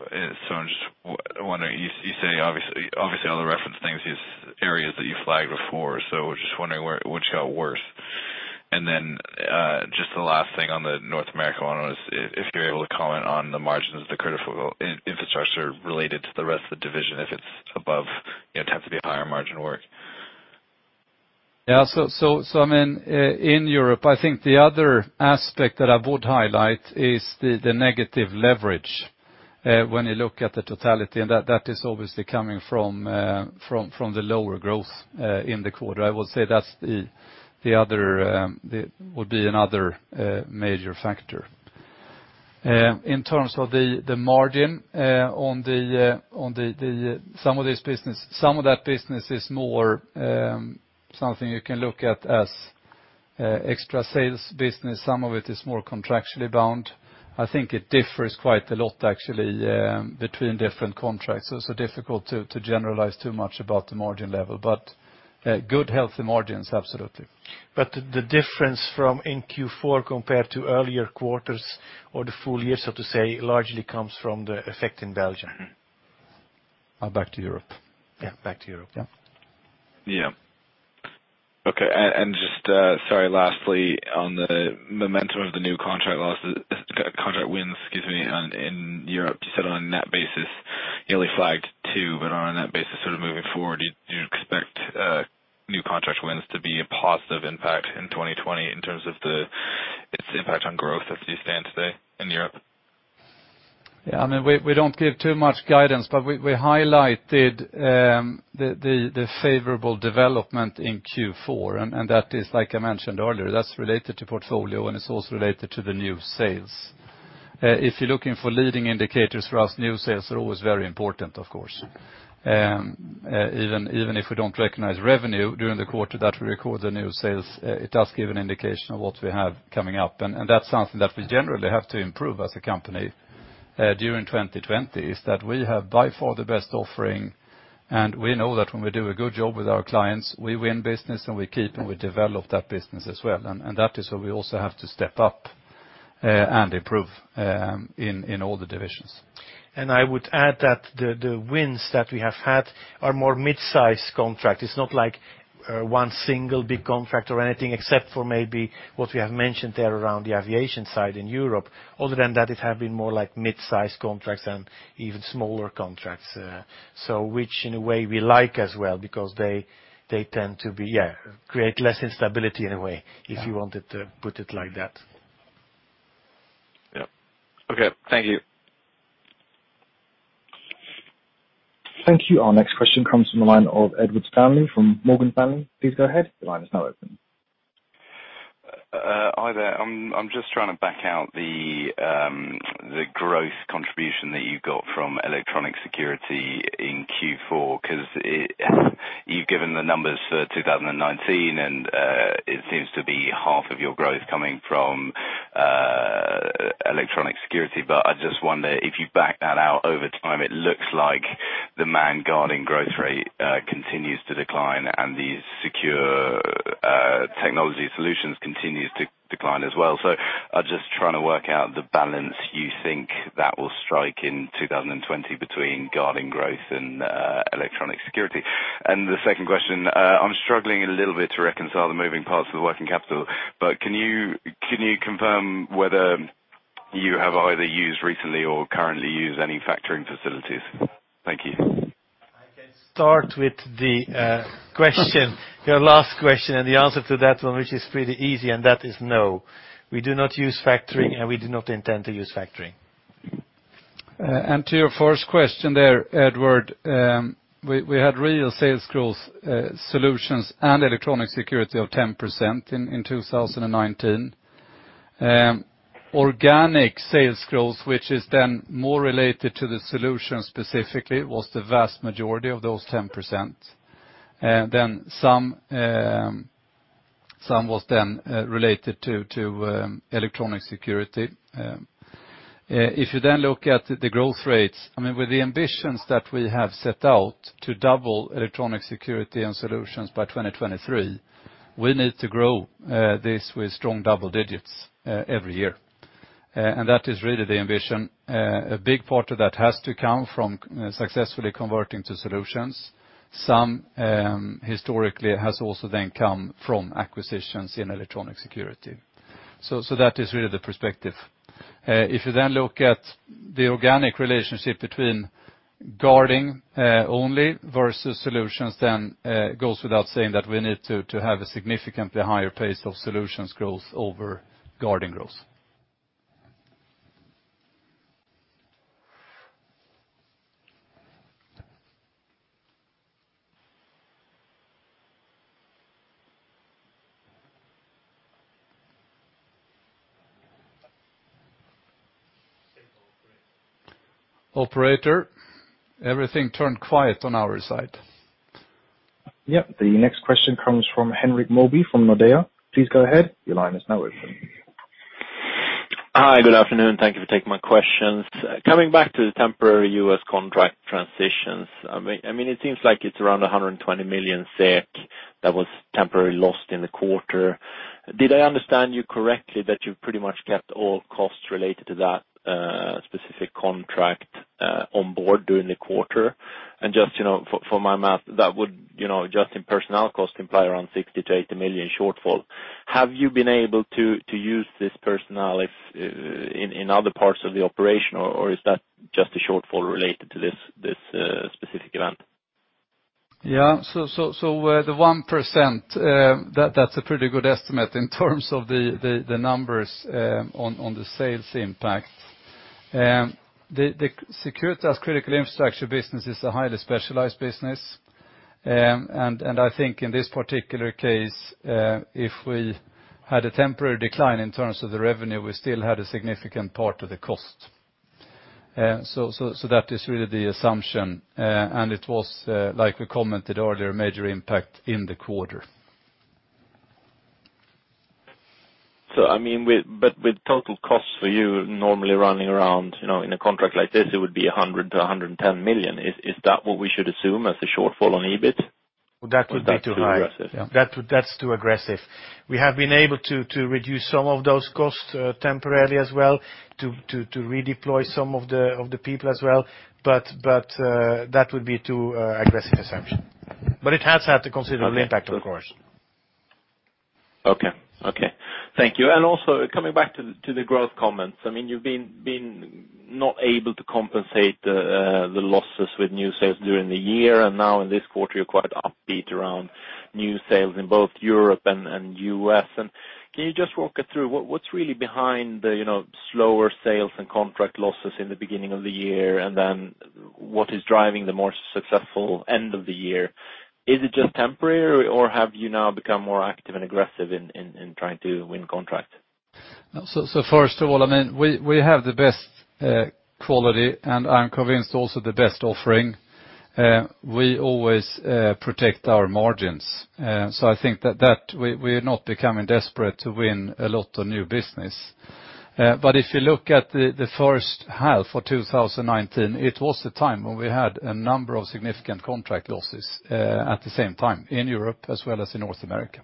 I'm just wondering, you say obviously all the reference things, these areas that you flagged before. Just wondering what's got worse. Just the last thing on the North America one was, if you're able to comment on the margins of the critical infrastructure related to the rest of the division, if it tends to be higher margin work? Yeah. In Europe, I think the other aspect that I would highlight is the negative leverage when you look at the totality, and that is obviously coming from the lower growth in the quarter. I would say that would be another major factor. In terms of the margin, on some of that business is more something you can look at as extra sales business. Some of it is more contractually bound. I think it differs quite a lot, actually between different contracts. It's difficult to generalize too much about the margin level, but good, healthy margins, absolutely. The difference from in Q4 compared to earlier quarters or the full year, so to say, largely comes from the effect in Belgium. Back to Europe. Yeah, back to Europe. Yeah. Yeah. Okay. Just, sorry, lastly, on the momentum of the new contract wins in Europe, you said on a net basis, you only flagged two, but on a net basis sort of moving forward, do you expect new contract wins to be a positive impact in 2020 in terms of the its impact on growth as we stand today in Europe? We don't give too much guidance, but we highlighted the favorable development in Q4, and that is like I mentioned earlier, that's related to portfolio, and it's also related to the new sales. If you're looking for leading indicators for us, new sales are always very important, of course. Even if we don't recognize revenue during the quarter that we record the new sales, it does give an indication of what we have coming up. That's something that we generally have to improve as a company, during 2020, is that we have by far the best offering, and we know that when we do a good job with our clients, we win business, and we keep and we develop that business as well. That is where we also have to step up, and improve in all the divisions. I would add that the wins that we have had are more mid-size contract. It's not like one single big contract or anything except for maybe what we have mentioned there around the aviation side in Europe. Other than that, it has been more like mid-size contracts and even smaller contracts. Which in a way we like as well because they tend to create less instability in a way. Yeah. If you wanted to put it like that. Yep. Okay. Thank you. Thank you. Our next question comes from the line of Edward Stanley from Morgan Stanley. Please go ahead. The line is now open. Hi there. I'm just trying to back out the growth contribution that you got from electronic security in Q4, because you've given the numbers for 2019, and it seems to be 50% of your growth coming from electronic security. I just wonder if you back that out over time, it looks like the manned guarding growth rate continues to decline, and the secure technology solutions continues to decline as well. I'm just trying to work out the balance you think that will strike in 2020 between guarding growth and electronic security. The second question, I'm struggling a little bit to reconcile the moving parts of the working capital. Can you confirm whether you have either used recently or currently use any factoring facilities? Thank you. I can start with your last question, and the answer to that one, which is pretty easy, and that is no. We do not use factoring, and we do not intend to use factoring. To your first question there, Edward, we had real sales growth solutions and electronic security of 10% in 2019. Organic sales growth, which is then more related to the solution specifically, was the vast majority of those 10%. Some was then related to electronic security. If you look at the growth rates, with the ambitions that we have set out to double electronic security and solutions by 2023, we need to grow this with strong double digits every year. That is really the ambition. A big part of that has to come from successfully converting to solutions. Some historically has also then come from acquisitions in electronic security. That is really the perspective. If you look at the organic relationship between guarding only versus solutions, it goes without saying that we need to have a significantly higher pace of solutions growth over guarding growth. Operator, everything turned quiet on our side. Yep. The next question comes from Henrik Mawby from Nordea. Please go ahead. Your line is now open. Hi. Good afternoon. Thank you for taking my questions. Coming back to the temporary U.S. contract transitions, it seems like it's around 120 million SEK that was temporarily lost in the quarter. Did I understand you correctly that you've pretty much kept all costs related to that specific contract on board during the quarter? Just for my math, that would, just in personnel cost, imply around 60 million-80 million shortfall. Have you been able to use this personnel in other parts of the operation, or is that just a shortfall related to this specific event? Yeah. The 1%, that's a pretty good estimate in terms of the numbers on the sales impact. The Securitas critical infrastructure business is a highly specialized business, and I think in this particular case, if we had a temporary decline in terms of the revenue, we still had a significant part of the cost. That is really the assumption. It was, like we commented earlier, a major impact in the quarter. With total costs for you normally running around in a contract like this, it would be 100 million-110 million. Is that what we should assume as a shortfall on EBIT? That would be too high. Is that too aggressive? Yeah. That's too aggressive. We have been able to reduce some of those costs temporarily as well, to redeploy some of the people as well. That would be too aggressive assumption. It has had a considerable impact, of course. Okay. Thank you. Also coming back to the growth comments, you've been not able to compensate the losses with new sales during the year, and now in this quarter, you're quite upbeat around new sales in both Europe and U.S. Can you just walk it through what's really behind the slower sales and contract losses in the beginning of the year, and then what is driving the more successful end of the year? Is it just temporary, or have you now become more active and aggressive in trying to win contracts? First of all, we have the best quality, and I'm convinced also the best offering. We always protect our margins. I think that we're not becoming desperate to win a lot of new business. If you look at the first half for 2019, it was the time when we had a number of significant contract losses at the same time in Europe as well as in North America.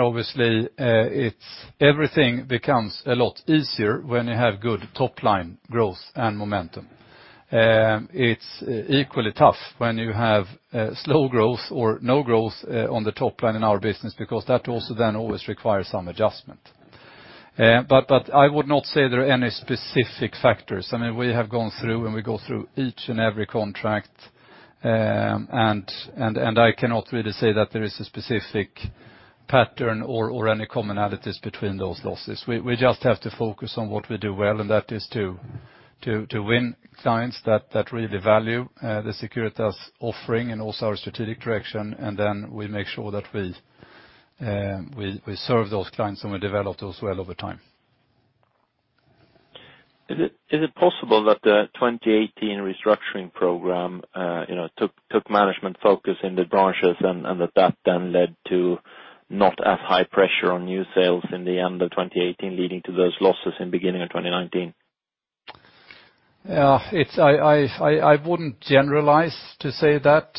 Obviously, everything becomes a lot easier when you have good top-line growth and momentum. It's equally tough when you have slow growth or no growth on the top line in our business because that also then always requires some adjustment. I would not say there are any specific factors. We have gone through, and we go through each and every contract, and I cannot really say that there is a specific pattern or any commonalities between those losses. We just have to focus on what we do well, and that is to win clients that really value the Securitas offering and also our strategic direction. Then we make sure that we serve those clients, and we develop those well over time. Is it possible that the 2018 restructuring program took management focus in the branches, and that that then led to not as high pressure on new sales in the end of 2018, leading to those losses in beginning of 2019? I wouldn't generalize to say that.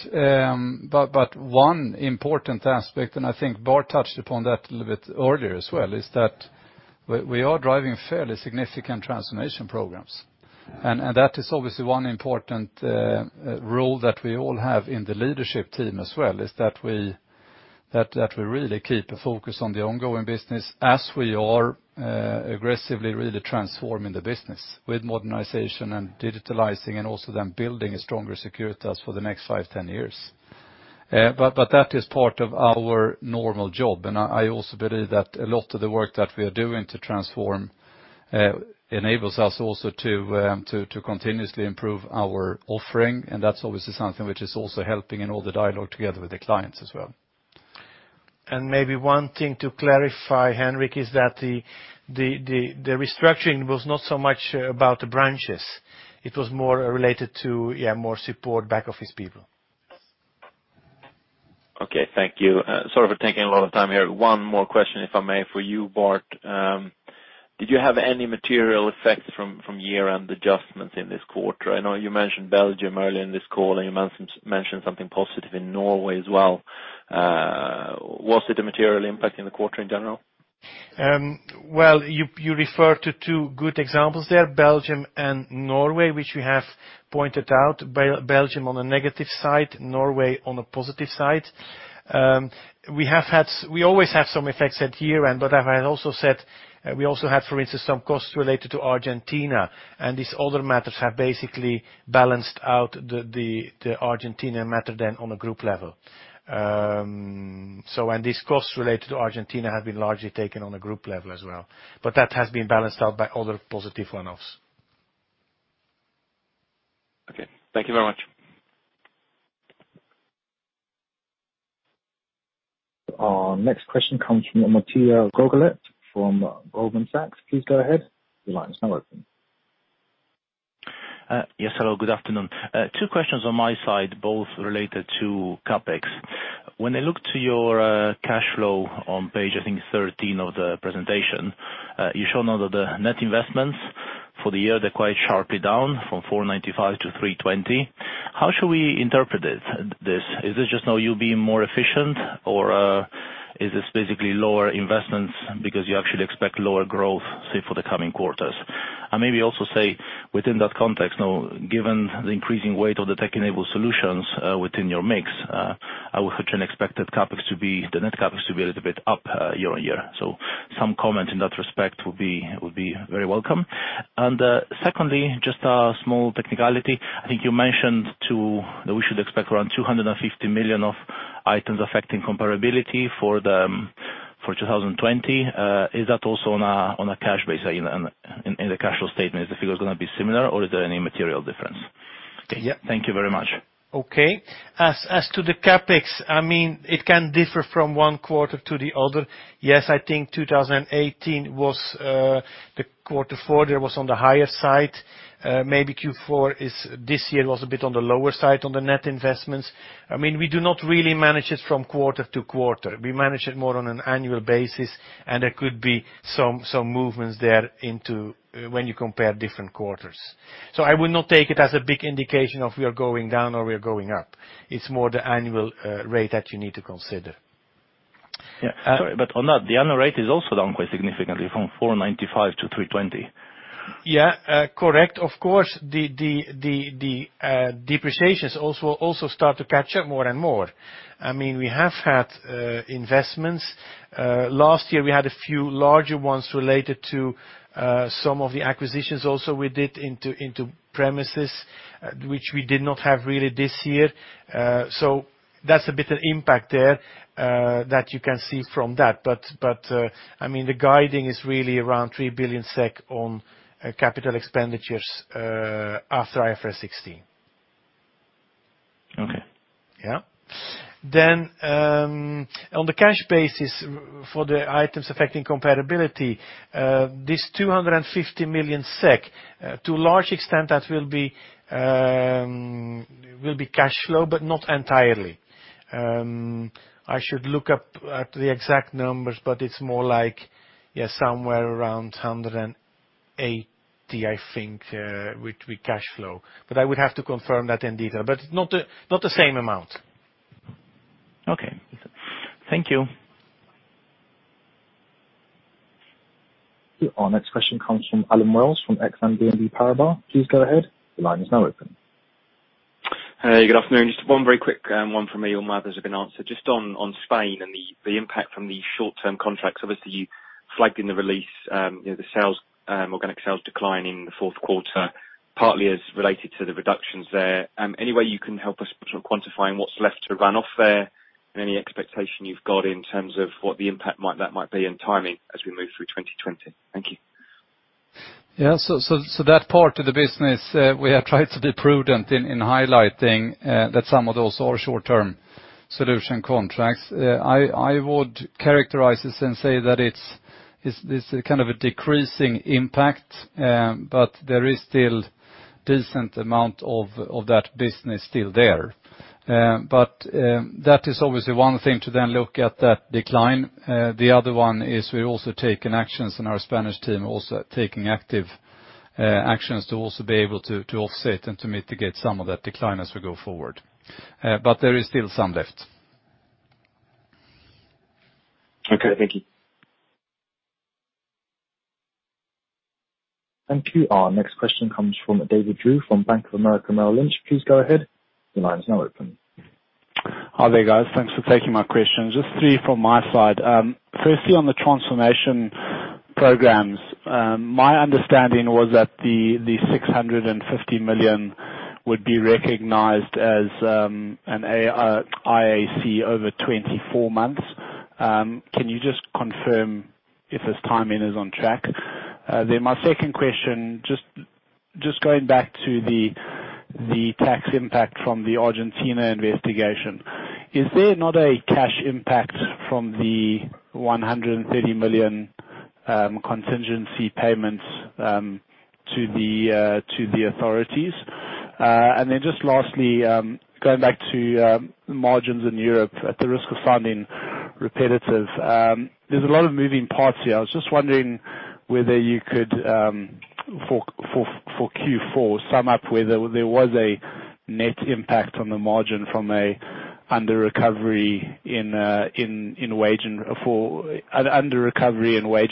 One important aspect, and I think Bart touched upon that a little bit earlier as well, is that we are driving fairly significant transformation programs. That is obviously one important role that we all have in the leadership team as well, is that we really keep a focus on the ongoing business as we are aggressively really transforming the business with modernization and digitalizing, also then building a stronger Securitas for the next five, 10 years. That is part of our normal job. I also believe that a lot of the work that we are doing to transform enables us also to continuously improve our offering, and that's obviously something which is also helping in all the dialogue together with the clients as well. Maybe one thing to clarify, Henrik, is that the restructuring was not so much about the branches. It was more related to more support back-office people. Okay. Thank you. Sorry for taking a lot of time here. One more question, if I may, for you, Bart. Did you have any material effects from year-end adjustments in this quarter? I know you mentioned Belgium earlier in this call, and you mentioned something positive in Norway as well. Was it a material impact in the quarter in general? Well, you refer to two good examples there, Belgium and Norway, which we have pointed out, Belgium on a negative side, Norway on a positive side. We always have some effects at year-end, but I have also said we also had, for instance, some costs related to Argentina, these other matters have basically balanced out the Argentina matter then on a group level. These costs related to Argentina have been largely taken on a group level as well. That has been balanced out by other positive one-offs. Okay. Thank you very much. Our next question comes from Matija Gergolet from Goldman Sachs. Please go ahead. The line is now open. Yes, hello. Good afternoon. two questions on my side, both related to CapEx. When I look to your cash flow on page 13 of the presentation, you show now that the net investments for the year they're quite sharply down from 495 million to 320 million. How should we interpret this? Is this just now you being more efficient, or is this basically lower investments because you actually expect lower growth, say, for the coming quarters? Maybe also say within that context now, given the increasing weight of the tech-enabled solutions within your mix, I would have expected the net CapEx to be a little bit up year-on-year. Some comment in that respect would be very welcome. Secondly, just a small technicality. I think you mentioned, too, that we should expect around 250 million of items affecting comparability for 2020. Is that also on a cash basis in the cash flow statement? Is the figure going to be similar or is there any material difference? Okay, yeah. Thank you very much. Okay. As to the CapEx, it can differ from one quarter to the other. Yes, I think 2018, the quarter four there was on the higher side. Maybe Q4 this year was a bit on the lower side on the net investments. We do not really manage it from quarter-to-quarter. We manage it more on an annual basis, and there could be some movements there when you compare different quarters. I would not take it as a big indication of we are going down or we are going up. It's more the annual rate that you need to consider. Yeah. Sorry, on that, the annual rate is also down quite significantly from 495 million to 320 million? Yeah. Correct. Of course, the depreciations also start to catch up more and more. We have had investments. Last year, we had a few larger ones related to some of the acquisitions also we did into premises, which we did not have really this year. That's a bit of impact there that you can see from that. The guiding is really around 3 billion SEK on capital expenditures after IFRS 16. Okay. Yeah. On the cash basis for the items affecting comparability, this 250 million SEK, to a large extent, that will be cash flow, but not entirely. I should look up at the exact numbers, but it's more like somewhere around 180 million, I think, with cash flow. I would have to confirm that in detail. Not the same amount. Okay. Thank you. Our next question comes from Allen Wells from Exane BNP Paribas. Please go ahead. The line is now open. Hey, good afternoon. Just one very quick one from me. All my others have been answered. Just on Spain and the impact from the short-term contracts, obviously, you flagged in the release, the organic sales decline in the fourth quarter, partly as related to the reductions there. Any way you can help us sort of quantify what's left to run off there? Any expectation you've got in terms of what the impact that might be and timing as we move through 2020? Thank you. Yeah. That part of the business, we have tried to be prudent in highlighting that some of those are short-term solution contracts. I would characterize this and say that it's a kind of a decreasing impact, but there is still decent amount of that business still there. That is obviously one thing to then look at that decline. The other one is we're also taking actions in our Spanish team, also taking active actions to also be able to offset and to mitigate some of that decline as we go forward. There is still some left. Okay. Thank you. Thank you. Our next question comes from David Drew from Bank of America Merrill Lynch. Please go ahead. The line is now open. Hi there, guys. Thanks for taking my questions. Just three from my side. Firstly, on the transformation programs, my understanding was that the 650 million would be recognized as an IAC over 24 months. Can you just confirm if this timing is on track? My second question, just going back to the tax impact from the Argentina investigation, is there not a cash impact from the 130 million contingency payments to the authorities? Just lastly, going back to margins in Europe at the risk of sounding repetitive, there's a lot of moving parts here. I was just wondering whether you could, for Q4, sum up whether there was a net impact on the margin from a under recovery and wage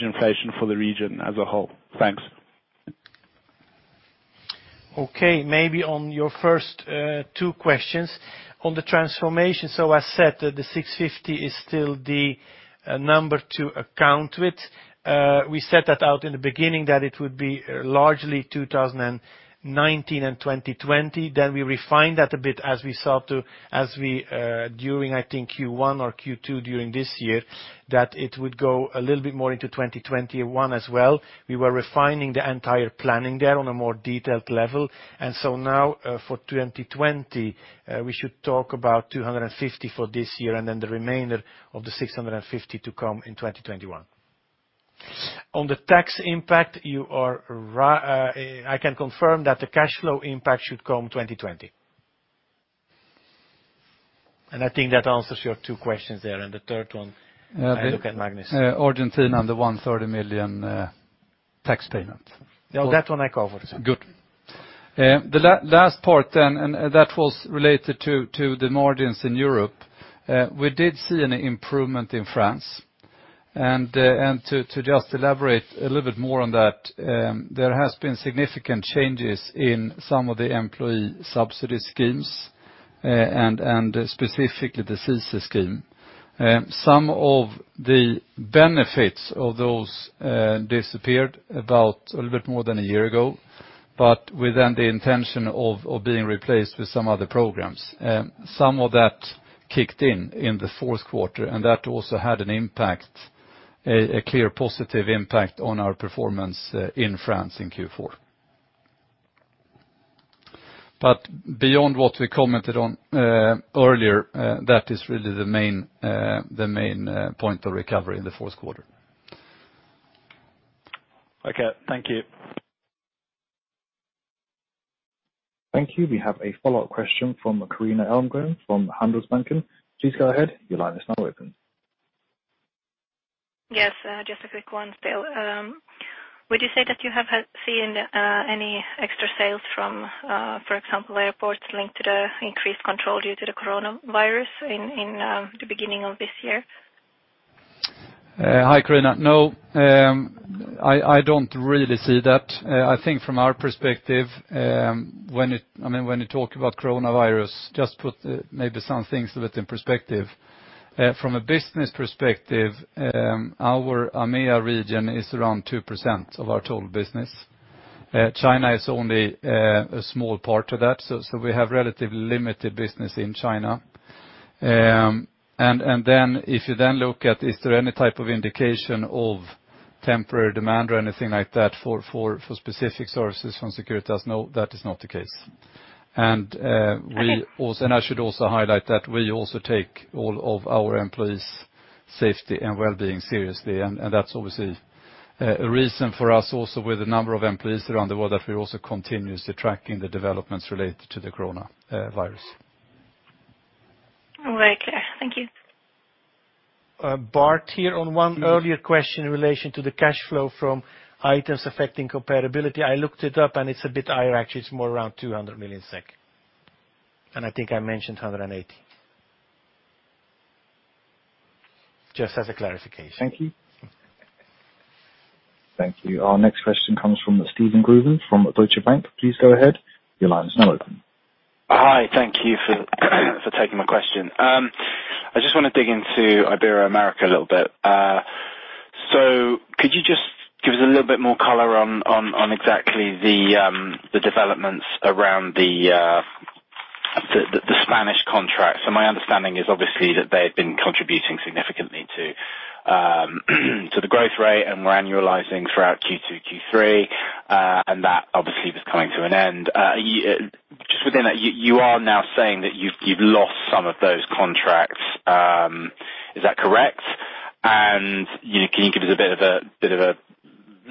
inflation for the region as a whole. Thanks. Okay. Maybe on your first two questions. On the transformation, I said that the 650 million is still the number to account with. We set that out in the beginning that it would be largely 2019 and 2020. We refined that a bit during, I think Q1 or Q2, during this year, that it would go a little bit more into 2021 as well. We were refining the entire planning there on a more detailed level. Now, for 2020, we should talk about 250 million for this year, and the remainder of the 650 million to come in 2021. On the tax impact, I can confirm that the cash flow impact should come 2020. I think that answers your two questions there. The third one, I look at Magnus. Argentina, the 130 million tax payment. That one I covered. Good. The last part then, and that was related to the margins in Europe. We did see an improvement in France, and to just elaborate a little bit more on that, there has been significant changes in some of the employee subsidy schemes, and specifically the CICE scheme. Some of the benefits of those disappeared about a little bit more than a year ago, but with then the intention of being replaced with some other programs. Some of that kicked in in the fourth quarter, and that also had an impact, a clear positive impact on our performance in France in Q4. Beyond what we commented on earlier, that is really the main point of recovery in the fourth quarter. Okay. Thank you. Thank you. We have a follow-up question from Carina Elmgren from Handelsbanken. Please go ahead. Your line is now open. Yes, just a quick one still. Would you say that you have seen any extra sales from, for example, airports linked to the increased control due to the coronavirus in the beginning of this year? Hi, Carina. No, I don't really see that. I think from our perspective, when you talk about coronavirus, just put maybe some things a bit in perspective. From a business perspective, our AMEA region is around 2% of our total business. China is only a small part of that. We have relatively limited business in China. If you then look at, is there any type of indication of temporary demand or anything like that for specific services from Securitas? That is not the case. I should also highlight that we also take all of our employees' safety and wellbeing seriously, and that's obviously a reason for us also with the number of employees around the world that we also continuously tracking the developments related to the coronavirus. Very clear. Thank you. Bart here, on one earlier question in relation to the cash flow from items affecting comparability. I looked it up, and it's a bit higher, actually. It's more around 200 million SEK, and I think I mentioned 180 million. Just as a clarification. Thank you. Thank you. Our next question comes from Steven Goulden from Deutsche Bank. Please go ahead. Your line is now open. Hi. Thank you for taking my question. I just want to dig into Ibero-America a little bit. Could you just give us a little bit more color on exactly the developments around the Spanish contract? My understanding is obviously that they've been contributing significantly to the growth rate, and we're annualizing throughout Q2, Q3, and that obviously was coming to an end. Just within that, you are now saying that you've lost some of those contracts. Is that correct? Can you give us a bit of a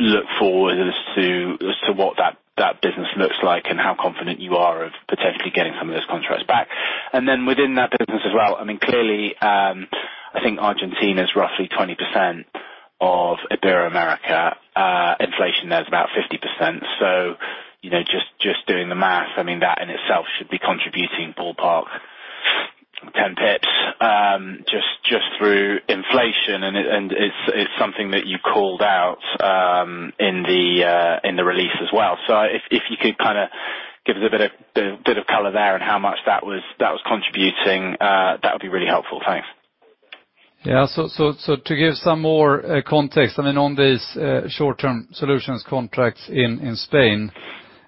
look forward as to what that business looks like, and how confident you are of potentially getting some of those contracts back? Then, within that business as well, clearly, I think Argentina is roughly 20% of Ibero-America. Inflation there is about 50%. Just doing the math, that in itself should be contributing ballpark 10 basis points, just through inflation, and it's something that you called out in the release as well. If you could give us a bit of color there on how much that was contributing? That would be really helpful. Thanks. Yeah. To give some more context on these short-term solutions contracts in Spain,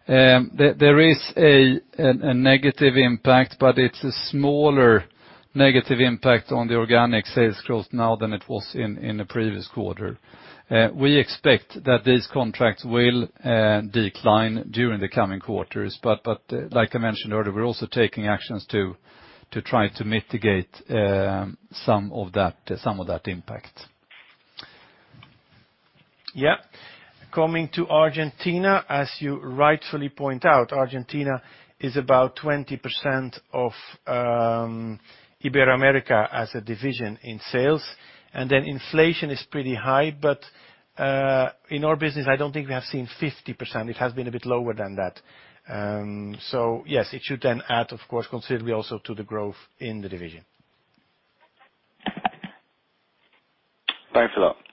there is a negative impact, but it's a smaller negative impact on the organic sales growth now than it was in the previous quarter. We expect that these contracts will decline during the coming quarters. Like I mentioned earlier, we're also taking actions to try to mitigate some of that impact. Yeah. Coming to Argentina, as you rightfully point out, Argentina is about 20% of Ibero-America as a division in sales. Then inflation is pretty high. In our business, I don't think we have seen 50%. It has been a bit lower than that. Yes, it should then add, of course, considerably also to the growth in the division. Thanks a lot.